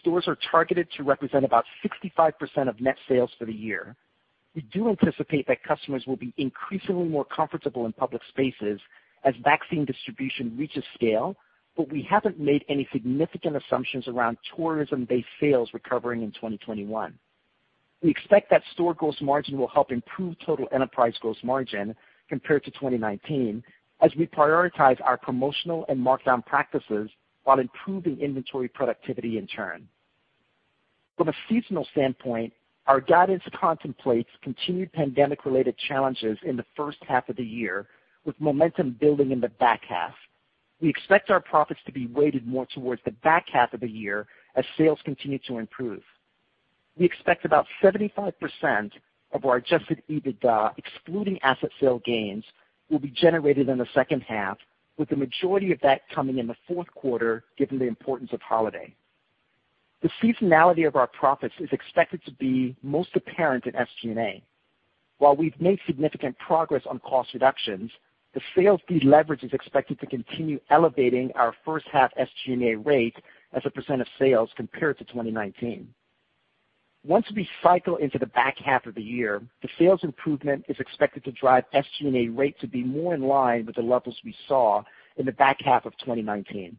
Stores are targeted to represent about 65% of net sales for the year. We do anticipate that customers will be increasingly more comfortable in public spaces as vaccine distribution reaches scale, but we haven't made any significant assumptions around tourism-based sales recovering in 2021. We expect that store gross margin will help improve total enterprise gross margin compared to 2019 as we prioritize our promotional and markdown practices while improving inventory productivity and turn. From a seasonal standpoint, our guidance contemplates continued pandemic-related challenges in the H1 of the year, with momentum building in the back half. We expect our profits to be weighted more towards the back half of the year as sales continue to improve. We expect about 75% of our adjusted EBITDA, excluding asset sale gains, will be generated in the H2, with the majority of that coming in the Q4, given the importance of holiday. The seasonality of our profits is expected to be most apparent in SG&A. While we've made significant progress on cost reductions, the sales deleverage is expected to continue elevating our first-half SG&A rate as a % of sales compared to 2019. Once we cycle into the back half of the year, the sales improvement is expected to drive SG&A rate to be more in line with the levels we saw in the back half of 2019.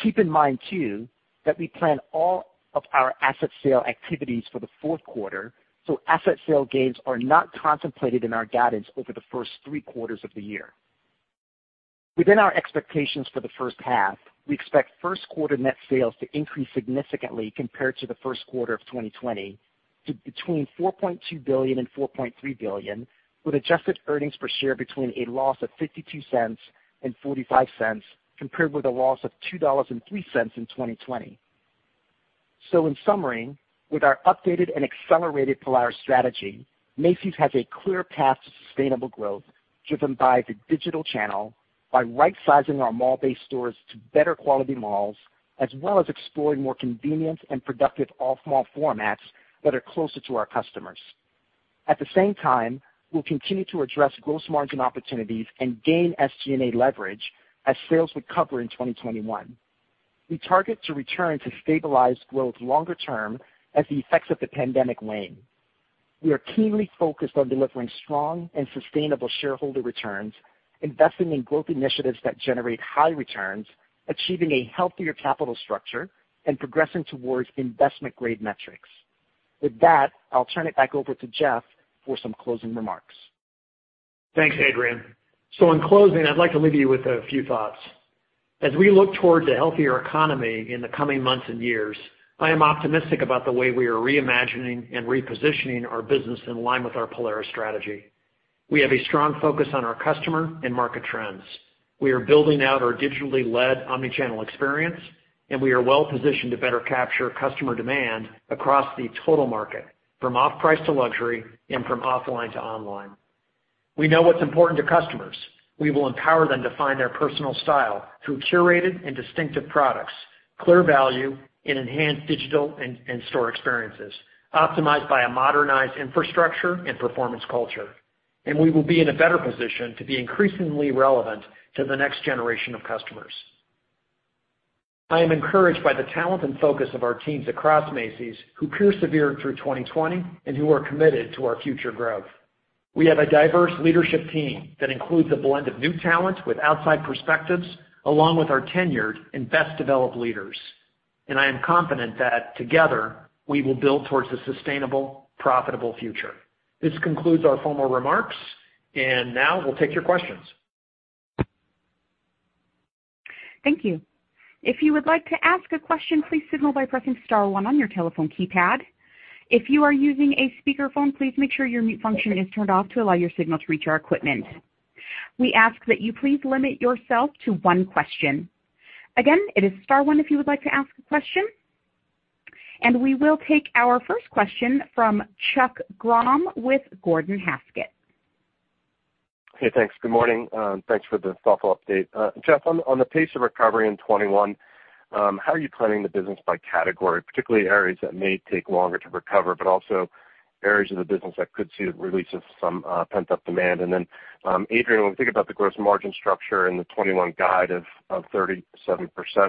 Keep in mind too, that we plan all of our asset sale activities for the Q4, so asset sale gains are not contemplated in our guidance over the first three quarters of the year. Within our expectations for the H1, we expect Q1 net sales to increase significantly compared to the Q1 of 2020, to between $4.2 billion and $4.3 billion, with adjusted earnings per share between a loss of $0.52 and $0.45, compared with a loss of $2.03 in 2020. In summary, with our updated and accelerated Polaris strategy, Macy's has a clear path to sustainable growth driven by the digital channel, by rightsizing our mall-based stores to better quality malls, as well as exploring more convenient and productive off-mall formats that are closer to our customers. At the same time, we'll continue to address gross margin opportunities and gain SG&A leverage as sales recover in 2021. We target to return to stabilized growth longer term as the effects of the pandemic wane. We are keenly focused on delivering strong and sustainable shareholder returns, investing in growth initiatives that generate high returns, achieving a healthier capital structure, and progressing towards investment-grade metrics. With that, I'll turn it back over to Jeff for some closing remarks. Thanks, Adrian. In closing, I'd like to leave you with a few thoughts. As we look toward a healthier economy in the coming months and years, I am optimistic about the way we are reimagining and repositioning our business in line with our Polaris strategy. We have a strong focus on our customer and market trends. We are building out our digitally led omni-channel experience, and we are well-positioned to better capture customer demand across the total market, from off-price to luxury and from offline to online. We know what's important to customers. We will empower them to find their personal style through curated and distinctive products, clear value, and enhanced digital and store experiences optimized by a modernized infrastructure and performance culture. We will be in a better position to be increasingly relevant to the next generation of customers. I am encouraged by the talent and focus of our teams across Macy's, who persevered through 2020 and who are committed to our future growth. We have a diverse leadership team that includes a blend of new talent with outside perspectives, along with our tenured and best-developed leaders. I am confident that together, we will build towards a sustainable, profitable future. This concludes our formal remarks, and now we'll take your questions. Thank you. We will take our first question from Chuck Grom with Gordon Haskett. Hey, thanks. Good morning. Thanks for the thoughtful update. Jeff, on the pace of recovery in 2021, how are you planning the business by category, particularly areas that may take longer to recover, but also areas of the business that could see the release of some pent-up demand? Then, Adrian, when we think about the gross margin structure and the 2021 guide of 37%,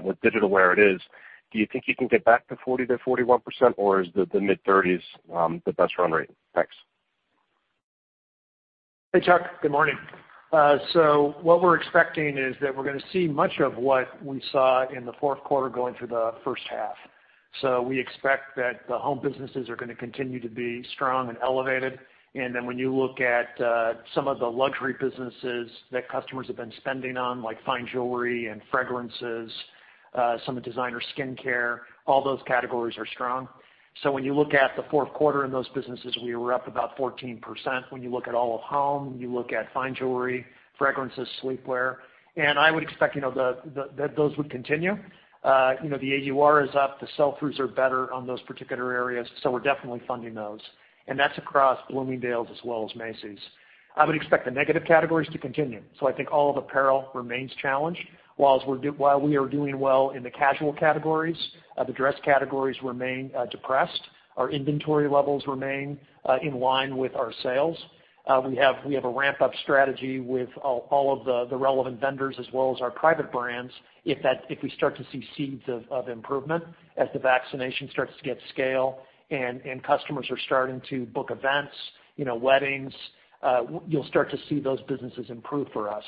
with digital where it is, do you think you can get back to 40%-41%? Or is the mid-30s the best run rate? Thanks. Hey, Chuck. Good morning. What we're expecting is that we're going to see much of what we saw in the Q4 going through the H1. When you look at some of the luxury businesses that customers have been spending on, like fine jewelry and fragrances, some of the designer skincare, all those categories are strong. When you look at the Q4 in those businesses, we were up about 14%. When you look at all of home, you look at fine jewelry, fragrances, sleepwear, I would expect that those would continue. The AUR is up. The sell-throughs are better on those particular areas, we're definitely funding those. That's across Bloomingdale's as well as Macy's. I would expect the negative categories to continue. I think all of apparel remains challenged. While we are doing well in the casual categories, the dress categories remain depressed. Our inventory levels remain in line with our sales. We have a ramp-up strategy with all of the relevant vendors as well as our private brands, if we start to see seeds of improvement as the vaccination starts to get scale and customers are starting to book events, weddings, you'll start to see those businesses improve for us.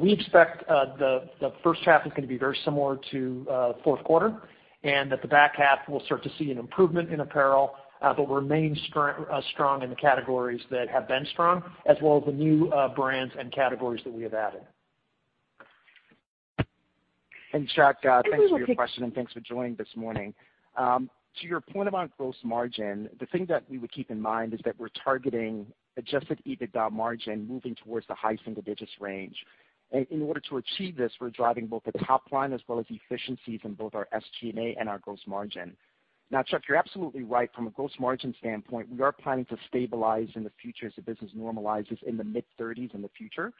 We expect the H1 is going to be very similar to Q4, and that the back half will start to see an improvement in apparel but remain strong in the categories that have been strong, as well as the new brands and categories that we have added. Chuck, thanks for your question, and thanks for joining this morning. To your point about gross margin, the thing that we would keep in mind is that we're targeting adjusted EBITDA margin moving towards the high single digits range. In order to achieve this, we're driving both the top line as well as efficiencies in both our SG&A and our gross margin. Now, Chuck, you're absolutely right. From a gross margin standpoint, we are planning to stabilize in the future as the business normalizes in the mid-30s in the future.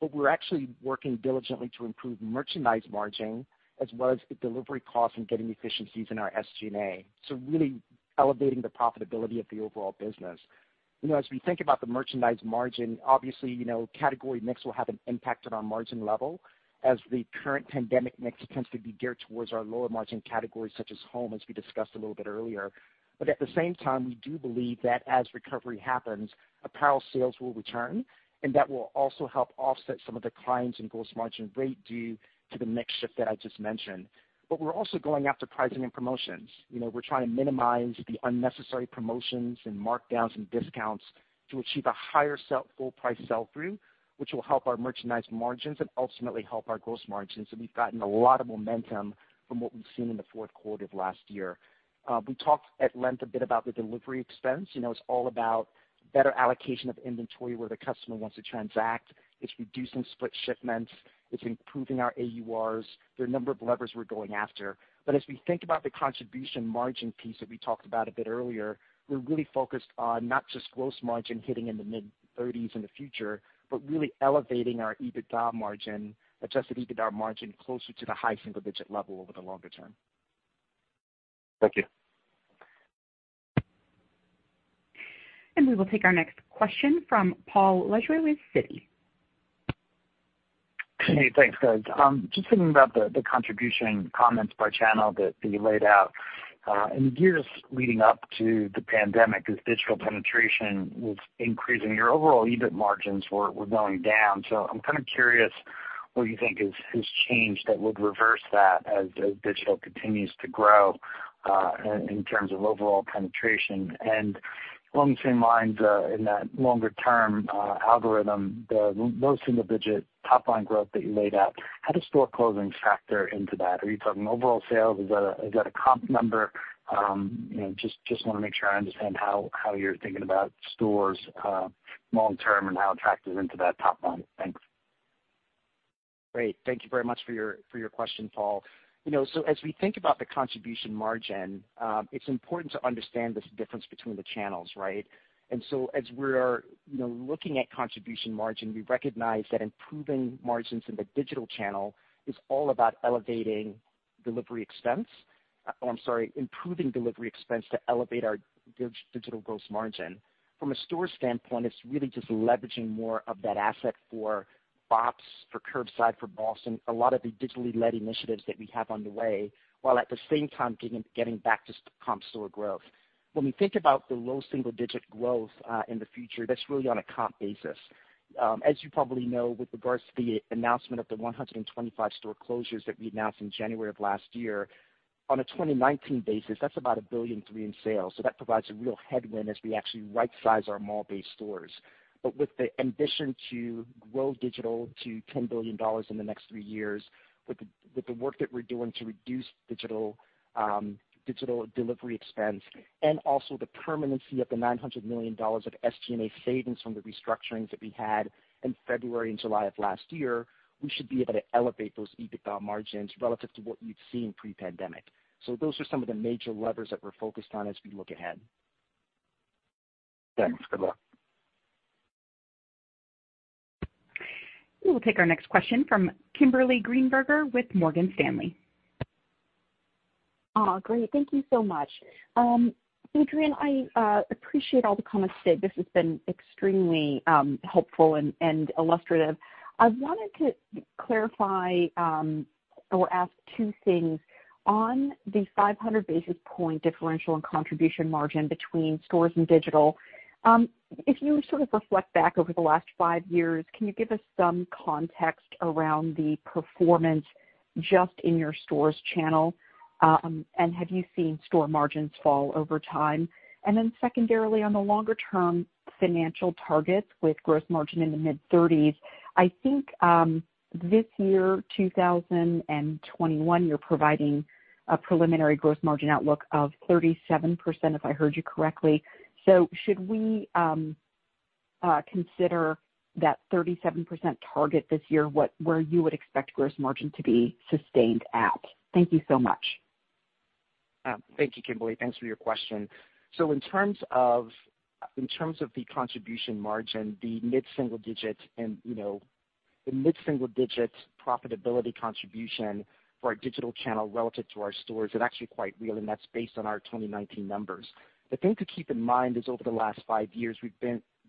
We're actually working diligently to improve merchandise margin as well as the delivery costs and getting efficiencies in our SG&A. Really elevating the profitability of the overall business. As we think about the merchandise margin, obviously, category mix will have an impact on our margin level as the current pandemic mix tends to be geared towards our lower margin categories such as home, as we discussed a little bit earlier. At the same time, we do believe that as recovery happens, apparel sales will return, and that will also help offset some of the declines in gross margin rate due to the mix shift that I just mentioned. We're also going after pricing and promotions. We're trying to minimize the unnecessary promotions and markdowns and discounts to achieve a higher full price sell-through, which will help our merchandise margins and ultimately help our gross margins. We've gotten a lot of momentum from what we've seen in the Q4 of last year. We talked at length a bit about the delivery expense. It's all about better allocation of inventory where the customer wants to transact. It's reducing split shipments. It's improving our AURs. There are a number of levers we're going after. As we think about the contribution margin piece that we talked about a bit earlier, we're really focused on not just gross margin hitting in the mid-30s in the future, but really elevating our EBITDA margin, adjusted EBITDA margin, closer to the high single digit level over the longer term. Thank you. We will take our next question from Paul Lejuez with Citi. Hey, thanks, guys. Just thinking about the contribution comments by channel that you laid out. In years leading up to the pandemic, as digital penetration was increasing, your overall EBIT margins were going down. I'm kind of curious what you think has changed that would reverse that as digital continues to grow in terms of overall penetration. Along the same lines in that longer-term algorithm, the low single-digit top-line growth that you laid out, how does store closings factor into that? Are you talking overall sales? Is that a comp number? Just want to make sure I understand how you're thinking about stores long-term and how it factors into that top-line. Thanks. Great. Thank you very much for your question, Paul. As we think about the contribution margin, it's important to understand this difference between the channels, right? As we're looking at contribution margin, we recognize that improving margins in the digital channel is all about elevating delivery expense. Oh, I'm sorry, improving delivery expense to elevate our digital gross margin. From a store standpoint, it's really just leveraging more of that asset for BOPUS, for curbside, for BOSS and a lot of the digitally led initiatives that we have on the way, while at the same time getting back to comp store growth. When we think about the low single digit growth in the future, that's really on a comp basis. As you probably know, with regards to the announcement of the 125 store closures that we announced in January of last year, on a 2019 basis, that's about $1.3 billion in sales. That provides a real headwind as we actually right size our mall-based stores. With the ambition to grow digital to $10 billion in the next three years, with the work that we're doing to reduce digital delivery expense, and also the permanency of the $900 million of SG&A savings from the restructurings that we had in February and July of last year, we should be able to elevate those EBITDA margins relative to what you'd see in pre-pandemic. Those are some of the major levers that we're focused on as we look ahead. Thanks. Good luck. We will take our next question from Kimberly Greenberger with Morgan Stanley. Great. Thank you so much. Adrian, I appreciate all the comments today. This has been extremely helpful and illustrative. I wanted to clarify or ask two things. On the 500 basis points differential and contribution margin between stores and digital. If you sort of reflect back over the last five years, can you give us some context around the performance just in your stores channel? Have you seen store margins fall over time? Secondarily, on the longer term financial targets with gross margin in the mid-30s, I think this year, 2021, you're providing a preliminary gross margin outlook of 37%, if I heard you correctly. Should we consider that 37% target this year where you would expect gross margin to be sustained at? Thank you so much. Thank you, Kimberly. Thanks for your question. In terms of the contribution margin, the mid-single digits profitability contribution for our digital channel relative to our stores is actually quite real, and that's based on our 2019 numbers. The thing to keep in mind is over the last five years, we've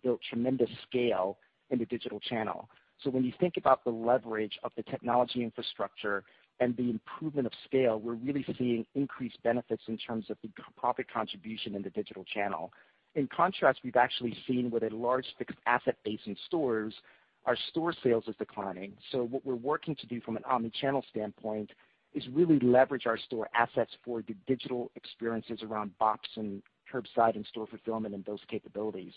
built tremendous scale in the digital channel. When you think about the leverage of the technology infrastructure and the improvement of scale, we're really seeing increased benefits in terms of the profit contribution in the digital channel. In contrast, we've actually seen with a large fixed asset base in stores, our store sales is declining. What we're working to do from an omni-channel standpoint is really leverage our store assets for the digital experiences around box and curbside and store fulfillment and those capabilities.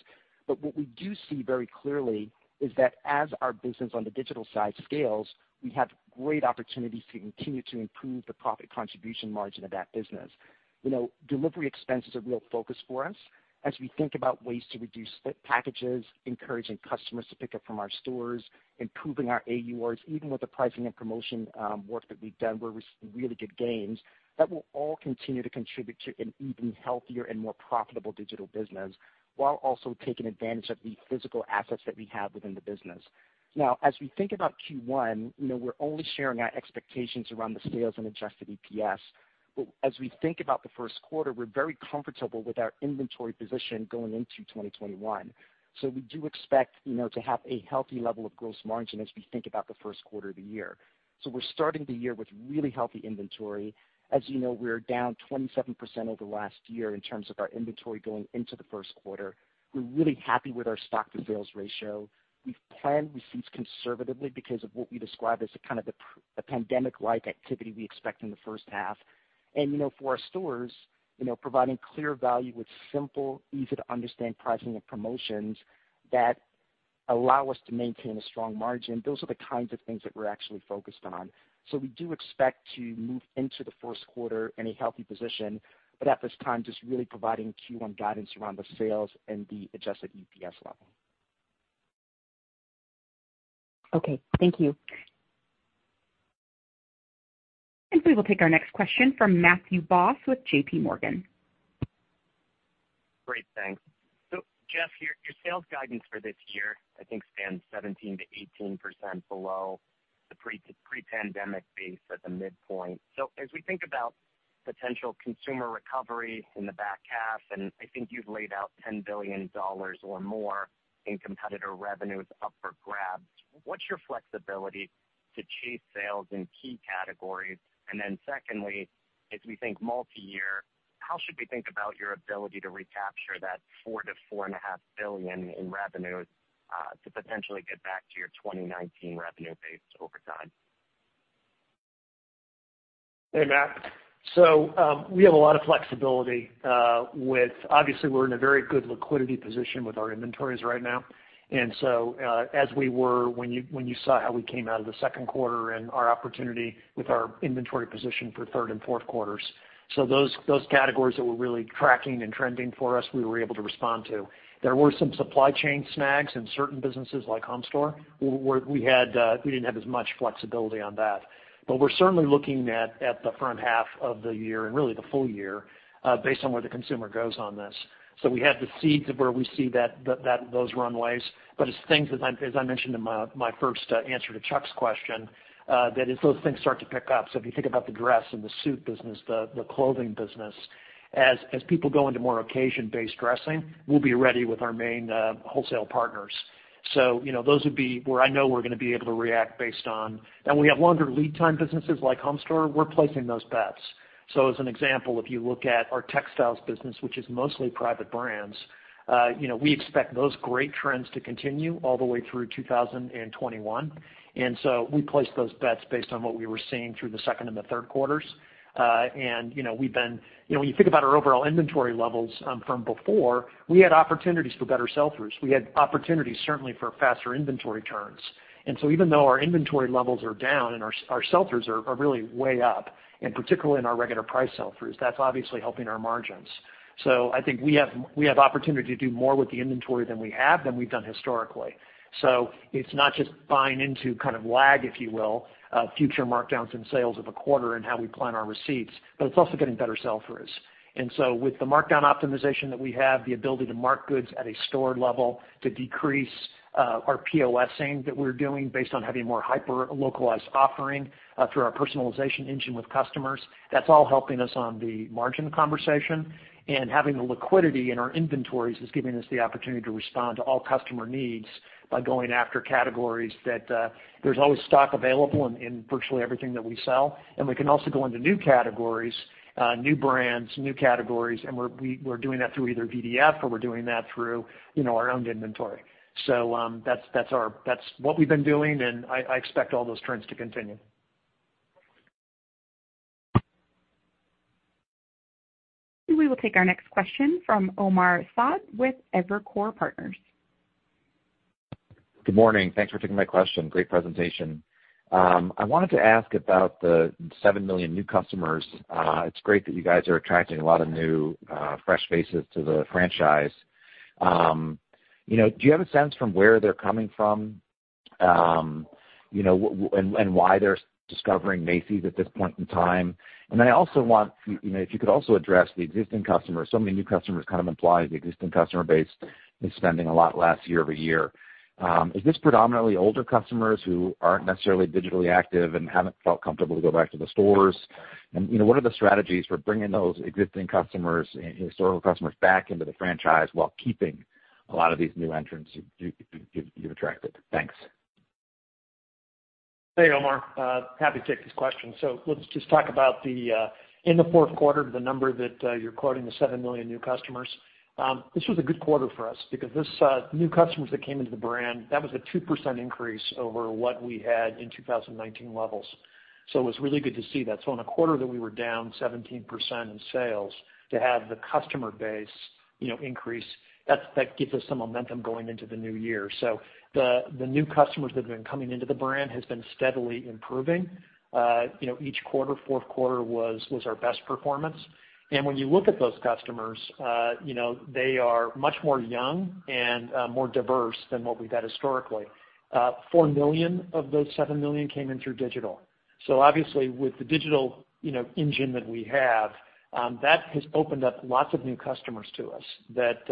What we do see very clearly is that as our business on the digital side scales, we have great opportunities to continue to improve the profit contribution margin of that business. Delivery expense is a real focus for us as we think about ways to reduce split packages, encouraging customers to pick up from our stores, improving our AURs, even with the pricing and promotion work that we've done, we're receiving really good gains. That will all continue to contribute to an even healthier and more profitable digital business, while also taking advantage of the physical assets that we have within the business. Now, as we think about Q1, we're only sharing our expectations around the sales and adjusted EPS. As we think about the Q1, we're very comfortable with our inventory position going into 2021. We do expect to have a healthy level of gross margin as we think about the Q1 of the year. We're starting the year with really healthy inventory. As you know, we are down 27% over last year in terms of our inventory going into the Q1. We're really happy with our stock-to-sales ratio. We've planned receipts conservatively because of what we describe as the kind of the pandemic-like activity we expect in the H1. For our stores, providing clear value with simple, easy-to-understand pricing and promotions that allow us to maintain a strong margin. Those are the kinds of things that we're actually focused on. We do expect to move into the Q1 in a healthy position, but at this time, just really providing Q1 guidance around the sales and the adjusted EPS level. Okay, thank you. We will take our next question from Matthew Boss with J.P. Morgan. Great, thanks. Jeff, your sales guidance for this year, I think, stands 17%-18% below the pre-pandemic base at the midpoint. As we think about potential consumer recovery in the back half, and I think you've laid out $10 billion or more in competitor revenues up for grabs, what's your flexibility to chase sales in key categories? Secondly, as we think multi-year, how should we think about your ability to recapture that $4 billion-$4.5 billion in revenues to potentially get back to your 2019 revenue base over time? Hey, Matt. We have a lot of flexibility. Obviously, we're in a very good liquidity position with our inventories right now. As we were when you saw how we came out of the Q3 and our opportunity with our inventory position for third and Q4s. Those categories that were really tracking and trending for us, we were able to respond to. There were some supply chain snags in certain businesses like Home Store, where we didn't have as much flexibility on that. We're certainly looking at the front half of the year and really the full year, based on where the consumer goes on this. We have the seeds of where we see those runways, but as I mentioned in my first answer to Chuck's question. If you think about the dress and the suit business, the clothing business, as people go into more occasion-based dressing, we'll be ready with our main wholesale partners. Those would be where I know we're going to be able to react based on. We have longer lead time businesses like HomeStore. We're placing those bets. As an example, if you look at our textiles business, which is mostly private brands, we expect those great trends to continue all the way through 2021. We placed those bets based on what we were seeing through the second and the third quarters. When you think about our overall inventory levels from before, we had opportunities for better sell-throughs. We had opportunities, certainly, for faster inventory turns. Even though our inventory levels are down and our sell-throughs are really way up, and particularly in our regular price sell-throughs, that's obviously helping our margins. I think we have opportunity to do more with the inventory than we've done historically. It's not just buying into kind of lag, if you will, future markdowns and sales of a quarter and how we plan our receipts, but it's also getting better sell-throughs. With the markdown optimization that we have, the ability to mark goods at a store level to decrease our POS-ing that we're doing based on having more hyper-localized offering through our personalization engine with customers, that's all helping us on the margin conversation. Having the liquidity in our inventories is giving us the opportunity to respond to all customer needs by going after categories that there's always stock available in virtually everything that we sell. We can also go into new categories, new brands, new categories, and we're doing that through either VDF or we're doing that through our own inventory. That's what we've been doing, and I expect all those trends to continue. We will take our next question from Omar Saad with Evercore Partners. Good morning. Thanks for taking my question. Great presentation. I wanted to ask about the seven million new customers. It's great that you guys are attracting a lot of new, fresh faces to the franchise. Do you have a sense from where they're coming from, and why they're discovering Macy's at this point in time? Then if you could also address the existing customers. Many new customers kind of implies the existing customer base is spending a lot last year-over-year. Is this predominantly older customers who aren't necessarily digitally active and haven't felt comfortable to go back to the stores? What are the strategies for bringing those existing customers, historical customers, back into the franchise while keeping a lot of these new entrants you've attracted? Thanks. Hey, Omar. Happy to take these questions. Let's just talk about in the Q4, the number that you're quoting, the seven million new customers. This was a good quarter for us because these new customers that came into the brand, that was a 2% increase over what we had in 2019 levels. It was really good to see that. In a quarter that we were down 17% in sales, to have the customer base increase, that gives us some momentum going into the new year. The new customers that have been coming into the brand has been steadily improving. Each quarter, Q4 was our best performance. When you look at those customers, they are much more young and more diverse than what we've had historically. Four million of those seven million came in through digital. Obviously with the digital engine that we have, that has opened up lots of new customers to us that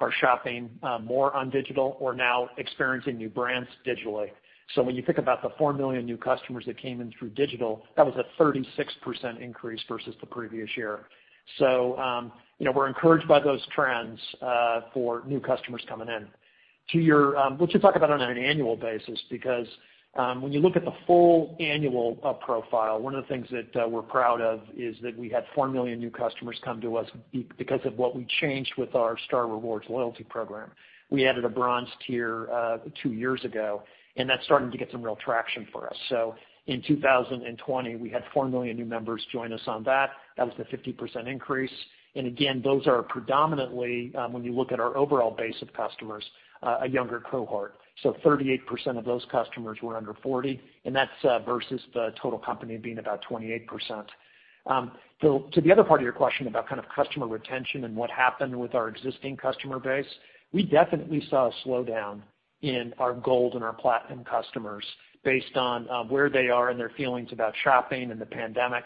are shopping more on digital or now experiencing new brands digitally. When you think about the four million new customers that came in through digital, that was a 36% increase versus the previous year. We're encouraged by those trends for new customers coming in. Let's just talk about it on an annual basis, because when you look at the full annual profile, one of the things that we're proud of is that we had four million new customers come to us because of what we changed with our Star Rewards loyalty program. We added a bronze Tier two years ago, and that's starting to get some real traction for us. In 2020, we had four million new members join us on that. That was the 50% increase. Again, those are predominantly, when you look at our overall base of customers, a younger cohort. 38% of those customers were under 40, and that's versus the total company being about 28%. To the other part of your question about customer retention and what happened with our existing customer base, we definitely saw a slowdown in our gold and our platinum customers based on where they are in their feelings about shopping and the pandemic.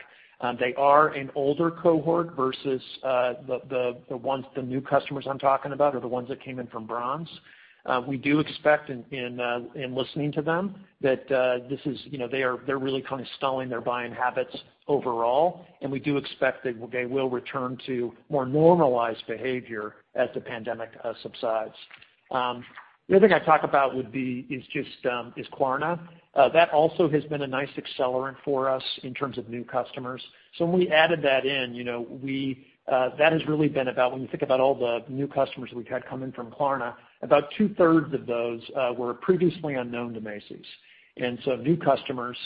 They are an older cohort versus the new customers I'm talking about are the ones that came in from bronze. We do expect in listening to them, that they're really stalling their buying habits overall, and we do expect that they will return to more normalized behavior as the pandemic subsides. The other thing I'd talk about would be is Klarna. That also has been a nice accelerant for us in terms of new customers. When we added that in, that has really been about when you think about all the new customers that we've had come in from Klarna, about two-thirds of those were previously unknown to Macy's. New customers,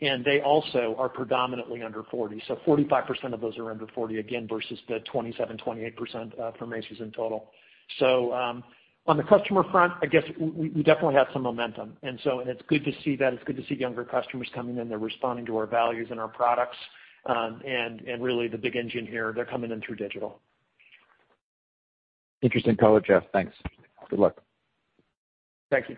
and they also are predominantly under 40. 45% of those are under 40, again, versus the 27%, 28% for Macy's in total. On the customer front, I guess we definitely have some momentum, it's good to see that. It's good to see younger customers coming in. They're responding to our values and our products. Really the big engine here, they're coming in through digital. Interesting color, Jeff. Thanks. Good luck. Thank you.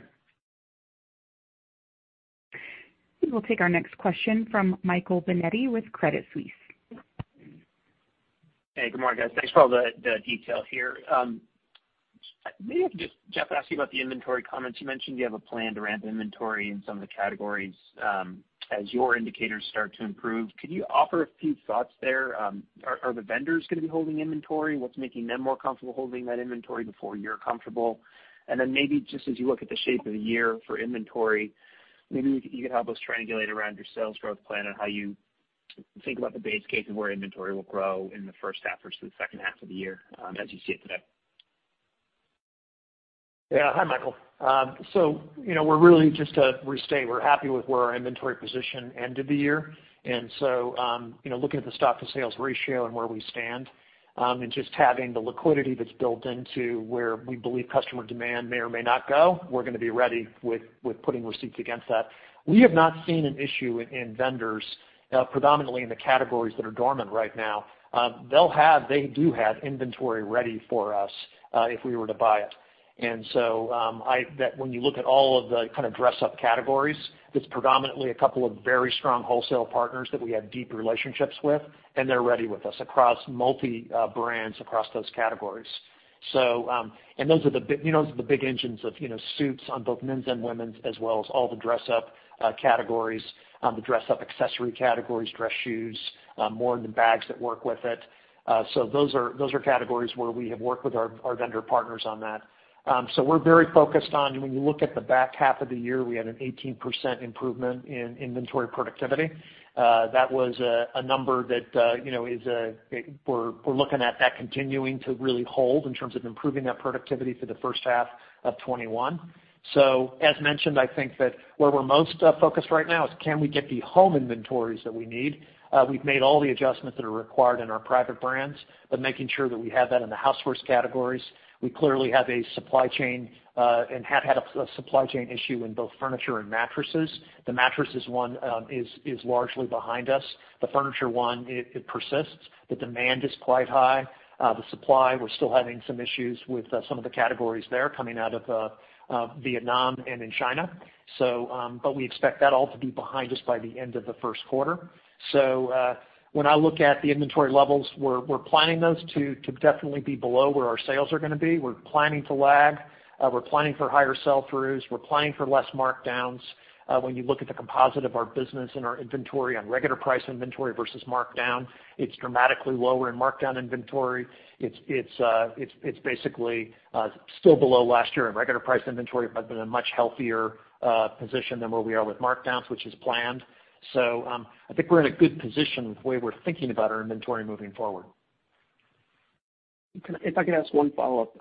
We will take our next question from Michael Binetti with Credit Suisse. Hey, good morning, guys. Thanks for all the detail here. Maybe I could just, Jeff, ask you about the inventory comments. You mentioned you have a plan to ramp inventory in some of the categories as your indicators start to improve. Could you offer a few thoughts there? Are the vendors going to be holding inventory? What's making them more comfortable holding that inventory before you're comfortable? Maybe just as you look at the shape of the year for inventory, maybe you could help us triangulate around your sales growth plan and how you think about the base case and where inventory will grow in the H1 versus the H2 of the year as you see it today. Yeah. Hi, Michael. We're happy with where our inventory position ended the year. Looking at the stock to sales ratio and where we stand, and just having the liquidity that's built into where we believe customer demand may or may not go, we're going to be ready with putting receipts against that. We have not seen an issue in vendors predominantly in the categories that are dormant right now. They do have inventory ready for us if we were to buy it. When you look at all of the dress-up categories, it's predominantly a couple of very strong wholesale partners that we have deep relationships with, and they're ready with us across multi brands, across those categories. Those are the big engines of suits on both men's and women's, as well as all the dress up categories, the dress up accessory categories, dress shoes, more in the bags that work with it. Those are categories where we have worked with our vendor partners on that. We're very focused on when you look at the back half of the year, we had an 18% improvement in inventory productivity. That was a number that we're looking at that continuing to really hold in terms of improving that productivity for the H1 of 2021. As mentioned, I think that where we're most focused right now is can we get the home inventories that we need? We've made all the adjustments that are required in our private brands, but making sure that we have that in the housewares categories. We clearly have a supply chain and have had a supply chain issue in both furniture and mattresses. The mattresses one is largely behind us. The furniture one, it persists. The demand is quite high. The supply, we're still having some issues with some of the categories there coming out of Vietnam and in China. We expect that all to be behind us by the end of the Q1. When I look at the inventory levels, we're planning those to definitely be below where our sales are going to be. We're planning to lag. We're planning for higher sell-throughs. We're planning for less markdowns. When you look at the composite of our business and our inventory on regular price inventory versus markdown, it's dramatically lower in markdown inventory. It's basically still below last year in regular price inventory, but in a much healthier position than where we are with markdowns, which is planned. I think we're in a good position with the way we're thinking about our inventory moving forward. If I could ask one follow-up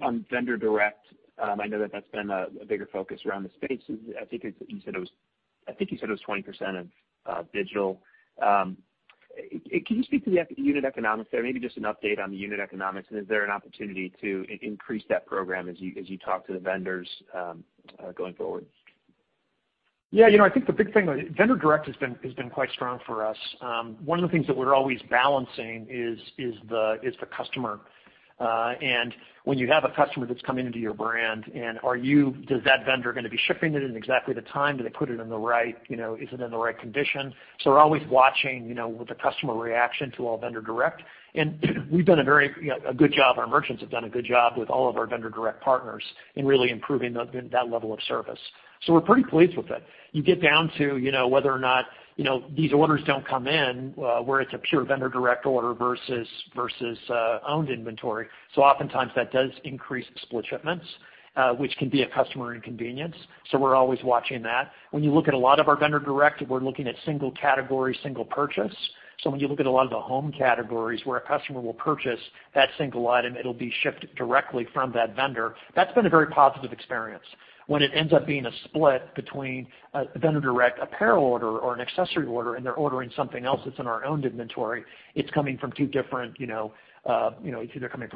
on Vendor Direct. I know that that's been a bigger focus around the space. I think you said it was 20% of digital. Can you speak to the unit economics there? Maybe just an update on the unit economics, and is there an opportunity to increase that program as you talk to the vendors going forward? Yeah. I think the big thing, Vendor Direct has been quite strong for us. One of the things that we're always balancing is the customer. When you have a customer that's coming into your brand, does that vendor going to be shipping it in exactly the time? Is it in the right condition? We're always watching the customer reaction to all Vendor Direct. We've done a very good job, our merchants have done a good job with all of our Vendor Direct partners in really improving that level of service. We're pretty pleased with it. You get down to whether or not these orders don't come in, where it's a pure Vendor Direct order versus owned inventory. Oftentimes that does increase split shipments, which can be a customer inconvenience. We're always watching that. When you look at a lot of our vendor direct, we're looking at single category, single purchase. When you look at a lot of the home categories where a customer will purchase that single item, it'll be shipped directly from that vendor. That's been a very positive experience. When it ends up being a split between a vendor direct apparel order or an accessory order, and they're ordering something else that's in our owned inventory, it's either coming from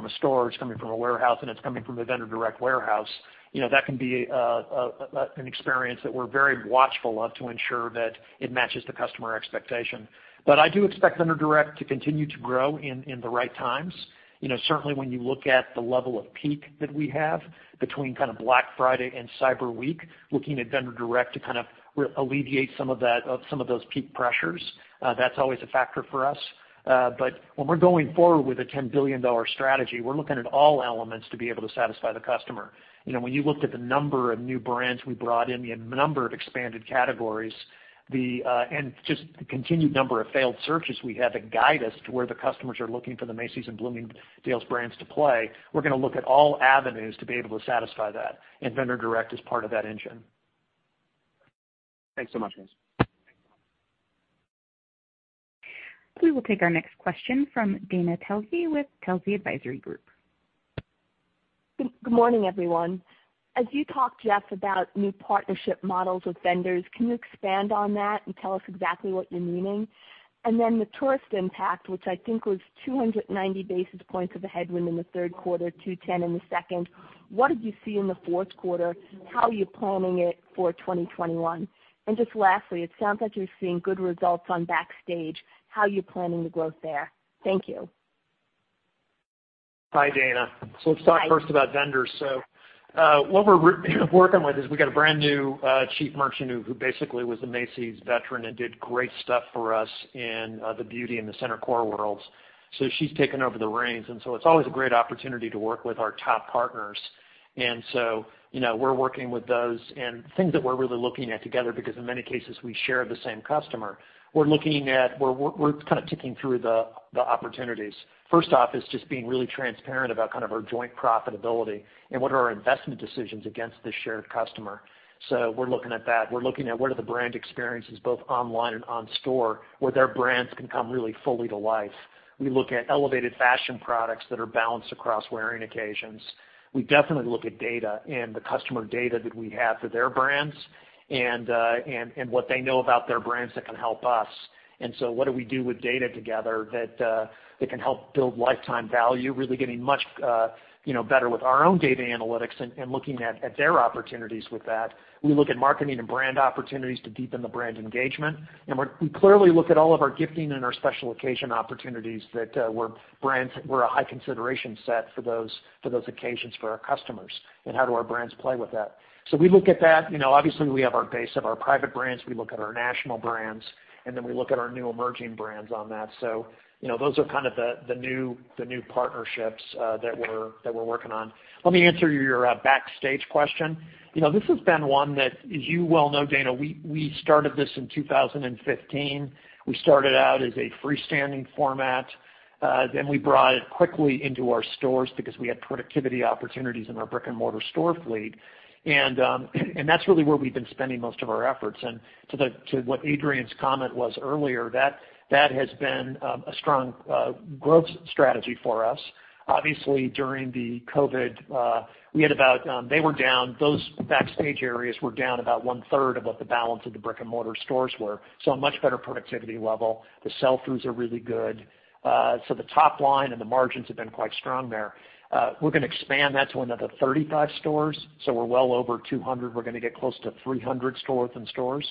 a store, it's coming from a warehouse, and it's coming from a vendor direct warehouse. That can be an experience that we're very watchful of to ensure that it matches the customer expectation. I do expect vendor direct to continue to grow in the right times. Certainly when you look at the level of peak that we have between Black Friday and Cyber Week, looking at vendor direct to alleviate some of those peak pressures, that's always a factor for us. When we're going forward with a $10 billion strategy, we're looking at all elements to be able to satisfy the customer. When you looked at the number of new brands we brought in, the number of expanded categories, and just the continued number of failed searches we have that guide us to where the customers are looking for the Macy's and Bloomingdale's brands to play, we're going to look at all avenues to be able to satisfy that, and vendor direct is part of that engine. Thanks so much, guys. We will take our next question from Dana Telsey with Telsey Advisory Group. Good morning, everyone. As you talked, Jeff, about new partnership models with vendors, can you expand on that and tell us exactly what you're meaning? The tourist impact, which I think was 290 basis points of a headwind in the third quarter, 210 in the second, what did you see in the Q4? How are you planning it for 2021? Just lastly, it sounds like you're seeing good results on Backstage. How are you planning the growth there? Thank you. Hi, Dana. Let's talk first about vendors. What we're working with is we got a brand new chief merchant who basically was a Macy's veteran and did great stuff for us in the beauty and the center core worlds. She's taken over the reins, and it's always a great opportunity to work with our top partners. We're working with those and things that we're really looking at together because in many cases, we share the same customer. We're kind of ticking through the opportunities. First off is just being really transparent about our joint profitability and what are our investment decisions against the shared customer. We're looking at that. We're looking at what are the brand experiences, both online and on store, where their brands can come really fully to life. We look at elevated fashion products that are balanced across wearing occasions. We definitely look at data and the customer data that we have for their brands and what they know about their brands that can help us. What do we do with data together that can help build lifetime value, really getting much better with our own data analytics and looking at their opportunities with that. We look at marketing and brand opportunities to deepen the brand engagement. We clearly look at all of our gifting and our special occasion opportunities that we're a high consideration set for those occasions for our customers, and how do our brands play with that. We look at that. Obviously we have our base of our private brands, we look at our national brands, and then we look at our new emerging brands on that. Those are the new partnerships that we're working on. Let me answer your Backstage question. This has been one that, as you well know, Dana, we started this in 2015. We started out as a freestanding format. We brought it quickly into our stores because we had productivity opportunities in our brick and mortar store fleet. That's really where we've been spending most of our efforts. To what Adrian's comment was earlier, that has been a strong growth strategy for us. Obviously, during the COVID-19, those Backstage areas were down about one third of what the balance of the brick and mortar stores were. A much better productivity level. The sell-throughs are really good. The top line and the margins have been quite strong there. We're going to expand that to another 35 stores, we're well over 200. We're going to get close to 300 stores within stores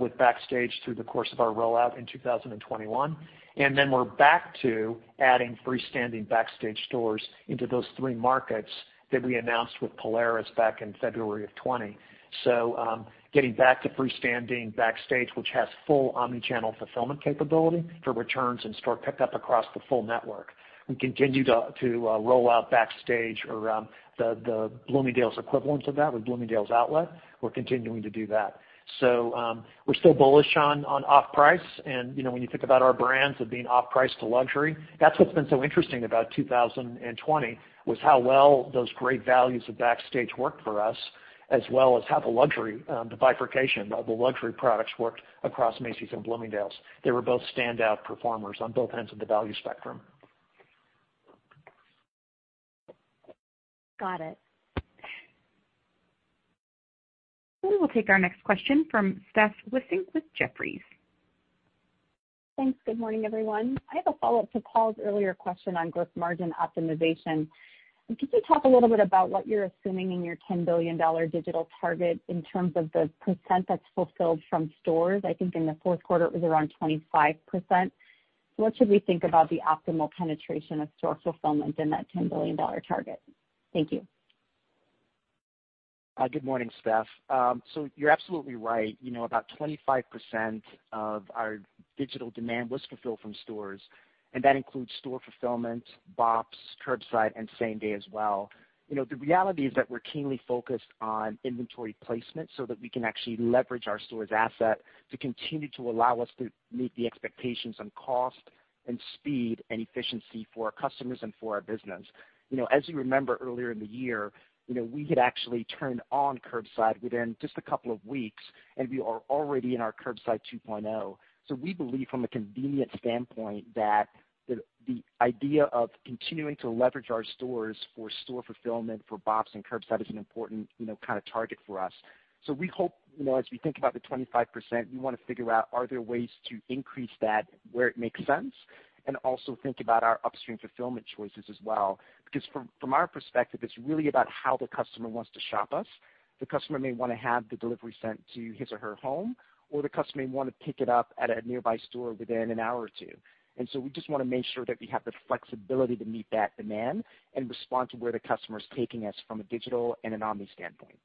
with Backstage through the course of our rollout in 2021. We're back to adding freestanding Backstage stores into those three markets that we announced with Polaris back in February of 2020. Getting back to freestanding Backstage, which has full omni-channel fulfillment capability for returns and store pickup across the full network. We continue to roll out Backstage or the Bloomingdale's equivalent of that with Bloomingdale's Outlet. We're continuing to do that. We're still bullish on off-price, and when you think about our brands of being off-price to luxury, that's what's been so interesting about 2020, was how well those great values of Backstage worked for us, as well as how the bifurcation of the luxury products worked across Macy's and Bloomingdale's. They were both standout performers on both ends of the value spectrum. Got it. We will take our next question from Steph Wissink with Jefferies. Thanks. Good morning, everyone. I have a follow-up to Paul's earlier question on gross margin optimization. Could you talk a little bit about what you're assuming in your $10 billion digital target in terms of the percent that's fulfilled from stores? I think in the Q4 it was around 25%. What should we think about the optimal penetration of store fulfillment in that $10 billion target? Thank you. Good morning, Steph. You're absolutely right. About 25% of our digital demand was fulfilled from stores, and that includes store fulfillment, BOPIS, curbside, and same-day as well. The reality is that we're keenly focused on inventory placement so that we can actually leverage our stores asset to continue to allow us to meet the expectations on cost and speed and efficiency for our customers and for our business. As you remember earlier in the year, we had actually turned on curbside within just a couple of weeks, and we are already in our curbside 2.0. We believe from a convenience standpoint that the idea of continuing to leverage our stores for store fulfillment for BOPIS and curbside is an important target for us. We hope, as we think about the 25%, we want to figure out are there ways to increase that where it makes sense, and also think about our upstream fulfillment choices as well. From our perspective, it's really about how the customer wants to shop us. The customer may want to have the delivery sent to his or her home, or the customer may want to pick it up at a nearby store within an hour or two. We just want to make sure that we have the flexibility to meet that demand and respond to where the customer is taking us from a digital and an omni standpoint.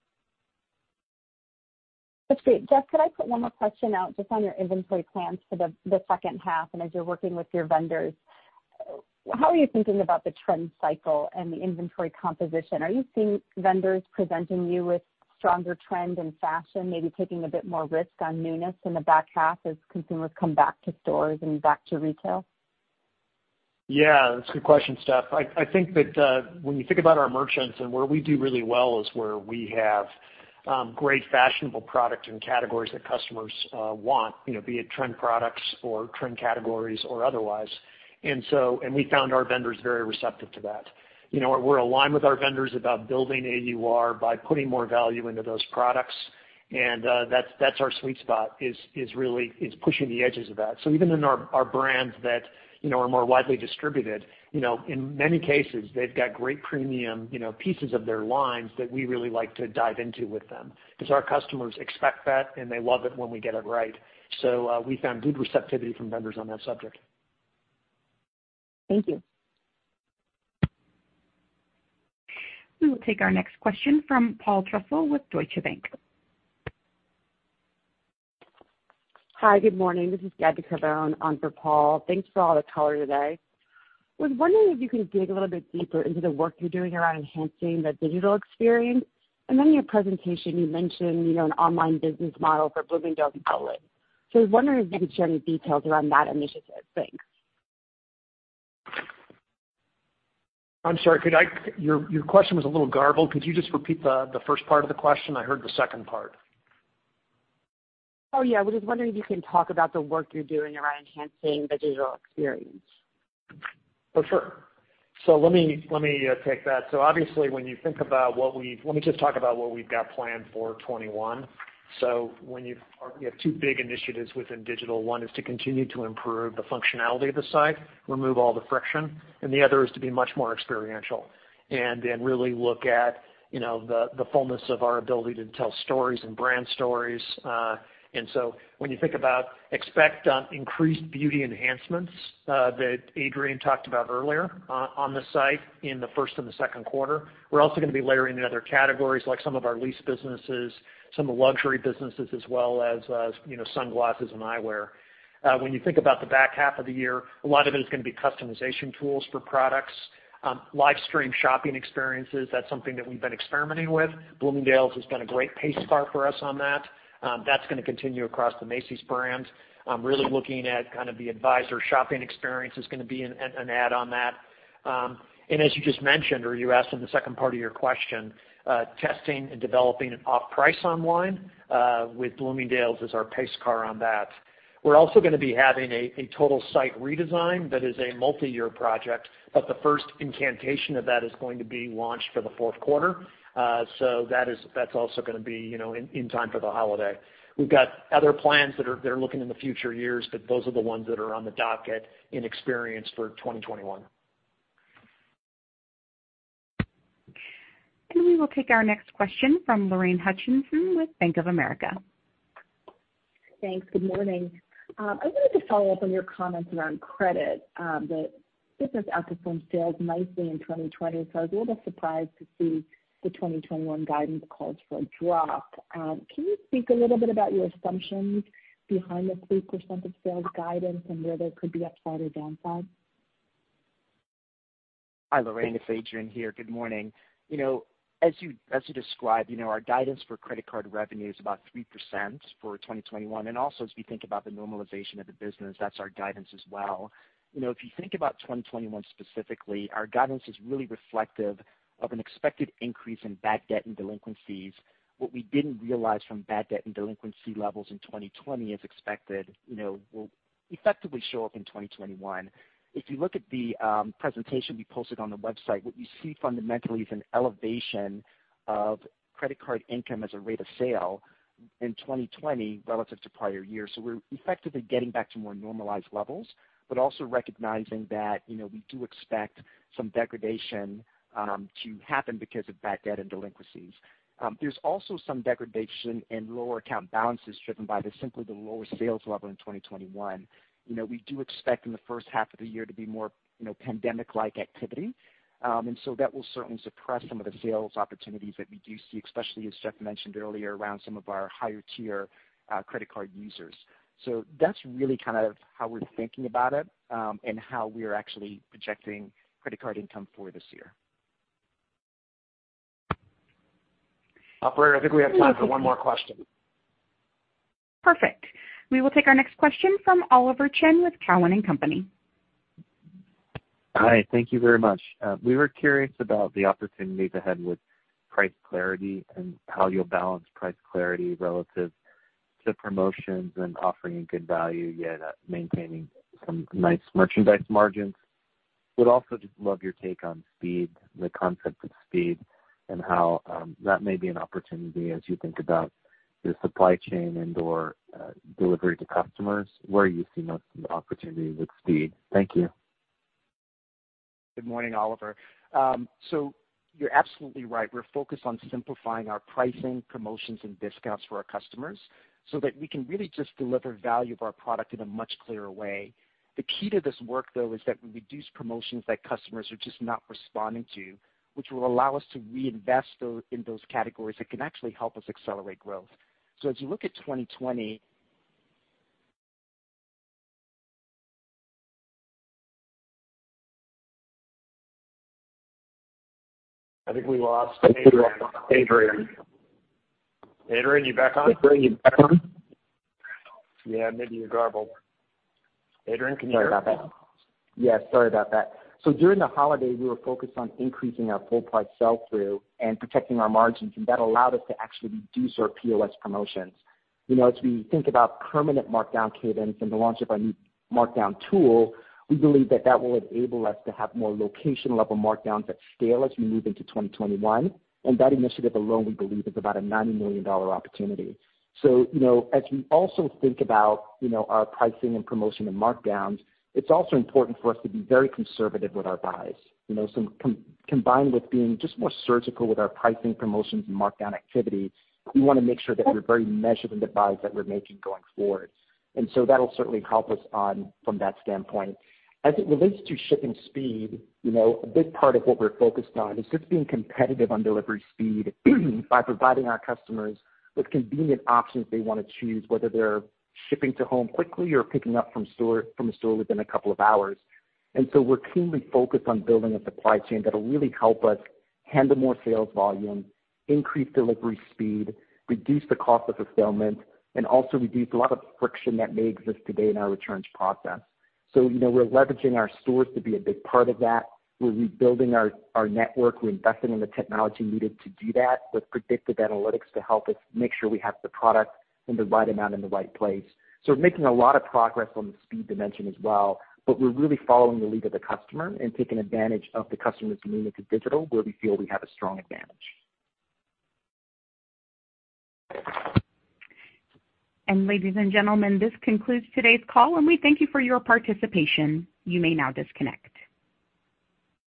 That's great. Jeff, could I put one more question out just on your inventory plans for the H2 and as you're working with your vendors. How are you thinking about the trend cycle and the inventory composition? Are you seeing vendors presenting you with stronger trend and fashion, maybe taking a bit more risk on newness in the back half as consumers come back to stores and back to retail? Yeah, that's a good question, Steph. I think that when you think about our merchants and where we do really well is where we have great fashionable product and categories that customers want, be it trend products or trend categories or otherwise. We found our vendors very receptive to that. We're aligned with our vendors about building AUR by putting more value into those products. That's our sweet spot is really pushing the edges of that. Even in our brands that are more widely distributed, in many cases, they've got great premium pieces of their lines that we really like to dive into with them because our customers expect that, and they love it when we get it right. We found good receptivity from vendors on that subject. Thank you. We will take our next question from Paul Trussell with Deutsche Bank. Hi. Good morning. This is Gabby Carbone on for Paul. Thanks for all the color today. I was wondering if you could dig a little bit deeper into the work you're doing around enhancing the digital experience. In your presentation, you mentioned an online business model for Bloomingdale's and Dillard's. I was wondering if you could share any details around that initiative. Thanks. I'm sorry. Your question was a little garbled. Could you just repeat the first part of the question? I heard the second part. Oh, yeah. I was just wondering if you can talk about the work you're doing around enhancing the digital experience? Oh, sure. Let me take that. Obviously, let me just talk about what we've got planned for 2021. You have two big initiatives within digital. One is to continue to improve the functionality of the site, remove all the friction, and the other is to be much more experiential and then really look at the fullness of our ability to tell stories and brand stories. When you think about expect increased beauty enhancements that Adrian talked about earlier on the site in the first and Q3. We're also going to be layering in other categories like some of our leased businesses, some of the luxury businesses, as well as sunglasses and eyewear. When you think about the back half of the year, a lot of it is going to be customization tools for products. Live stream shopping experiences, that's something that we've been experimenting with. Bloomingdale's has been a great pace car for us on that. That's going to continue across the Macy's brands. Really looking at kind of the advisor shopping experience is going to be an add on that. As you just mentioned, or you asked in the second part of your question, testing and developing an off price online with Bloomingdale's as our pace car on that. We're also going to be having a total site redesign that is a multi-year project, the first incantation of that is going to be launched for the Q4. That's also going to be in time for the holiday. We've got other plans that are looking in the future years, those are the ones that are on the docket in experience for 2021. We will take our next question from Lorraine Hutchinson with Bank of America. Thanks. Good morning. I wanted to follow up on your comments around credit. The business outperformed sales nicely in 2020, so I was a little bit surprised to see the 2021 guidance calls for a drop. Can you speak a little bit about your assumptions behind the 3% of sales guidance and where there could be upside or downside? Hi, Lorraine, it's Adrian here. Good morning. As you described, our guidance for credit card revenue is about 3% for 2021. Also, as we think about the normalization of the business, that's our guidance as well. If you think about 2021 specifically, our guidance is really reflective of an expected increase in bad debt and delinquencies. What we didn't realize from bad debt and delinquency levels in 2020 is expected, will effectively show up in 2021. If you look at the presentation we posted on the website, what you see fundamentally is an elevation of credit card income as a rate of sale In 2020 relative to prior years. We're effectively getting back to more normalized levels, but also recognizing that we do expect some degradation to happen because of bad debt and delinquencies. There's also some degradation in lower account balances driven by just simply the lower sales level in 2021. We do expect in the H1 of the year to be more pandemic-like activity. That will certainly suppress some of the sales opportunities that we do see, especially as Jeff mentioned earlier, around some of our higher tier credit card users. That's really how we're thinking about it, and how we are actually projecting credit card income for this year. Operator, I think we have time for one more question. Perfect. We will take our next question from Oliver Chen with Cowen and Company. Hi. Thank you very much. We were curious about the opportunities ahead with price clarity and how you'll balance price clarity relative to promotions and offering a good value, yet maintaining some nice merchandise margins. Would also just love your take on speed, the concept of speed, and how that may be an opportunity as you think about the supply chain and/or delivery to customers, where you see an opportunity with speed. Thank you. Good morning, Oliver. You're absolutely right. We're focused on simplifying our pricing, promotions, and discounts for our customers so that we can really just deliver value of our product in a much clearer way. The key to this work, though, is that we reduce promotions that customers are just not responding to, which will allow us to reinvest in those categories that can actually help us accelerate growth. As you look at 2020- I think we lost Adrian. Adrian, you back on? Adrian, you back on? Yeah, maybe you garbled. Adrian, can you hear? Sorry about that. Yeah, sorry about that. During the holiday, we were focused on increasing our full price sell-through and protecting our margins, and that allowed us to actually reduce our POS promotions. As we think about permanent markdown cadence and the launch of our new markdown tool, we believe that that will enable us to have more location-level markdowns at scale as we move into 2021. That initiative alone, we believe, is about a $90 million opportunity. As we also think about our pricing and promotion and markdowns, it's also important for us to be very conservative with our buys. Combined with being just more surgical with our pricing, promotions, and markdown activity, we want to make sure that we're very measured in the buys that we're making going forward. That'll certainly help us on from that standpoint. As it relates to shipping speed, a big part of what we're focused on is just being competitive on delivery speed by providing our customers with convenient options they want to choose, whether they're shipping to home quickly or picking up from a store within a couple of hours. We're keenly focused on building a supply chain that'll really help us handle more sales volume, increase delivery speed, reduce the cost of fulfillment, and also reduce a lot of friction that may exist today in our returns process. We're leveraging our stores to be a big part of that. We're rebuilding our network. We're investing in the technology needed to do that with predictive analytics to help us make sure we have the product in the right amount in the right place. We're making a lot of progress on the speed dimension as well, but we're really following the lead of the customer and taking advantage of the customer's move into digital, where we feel we have a strong advantage. Ladies and gentlemen, this concludes today's call, and we thank you for your participation. You may now disconnect.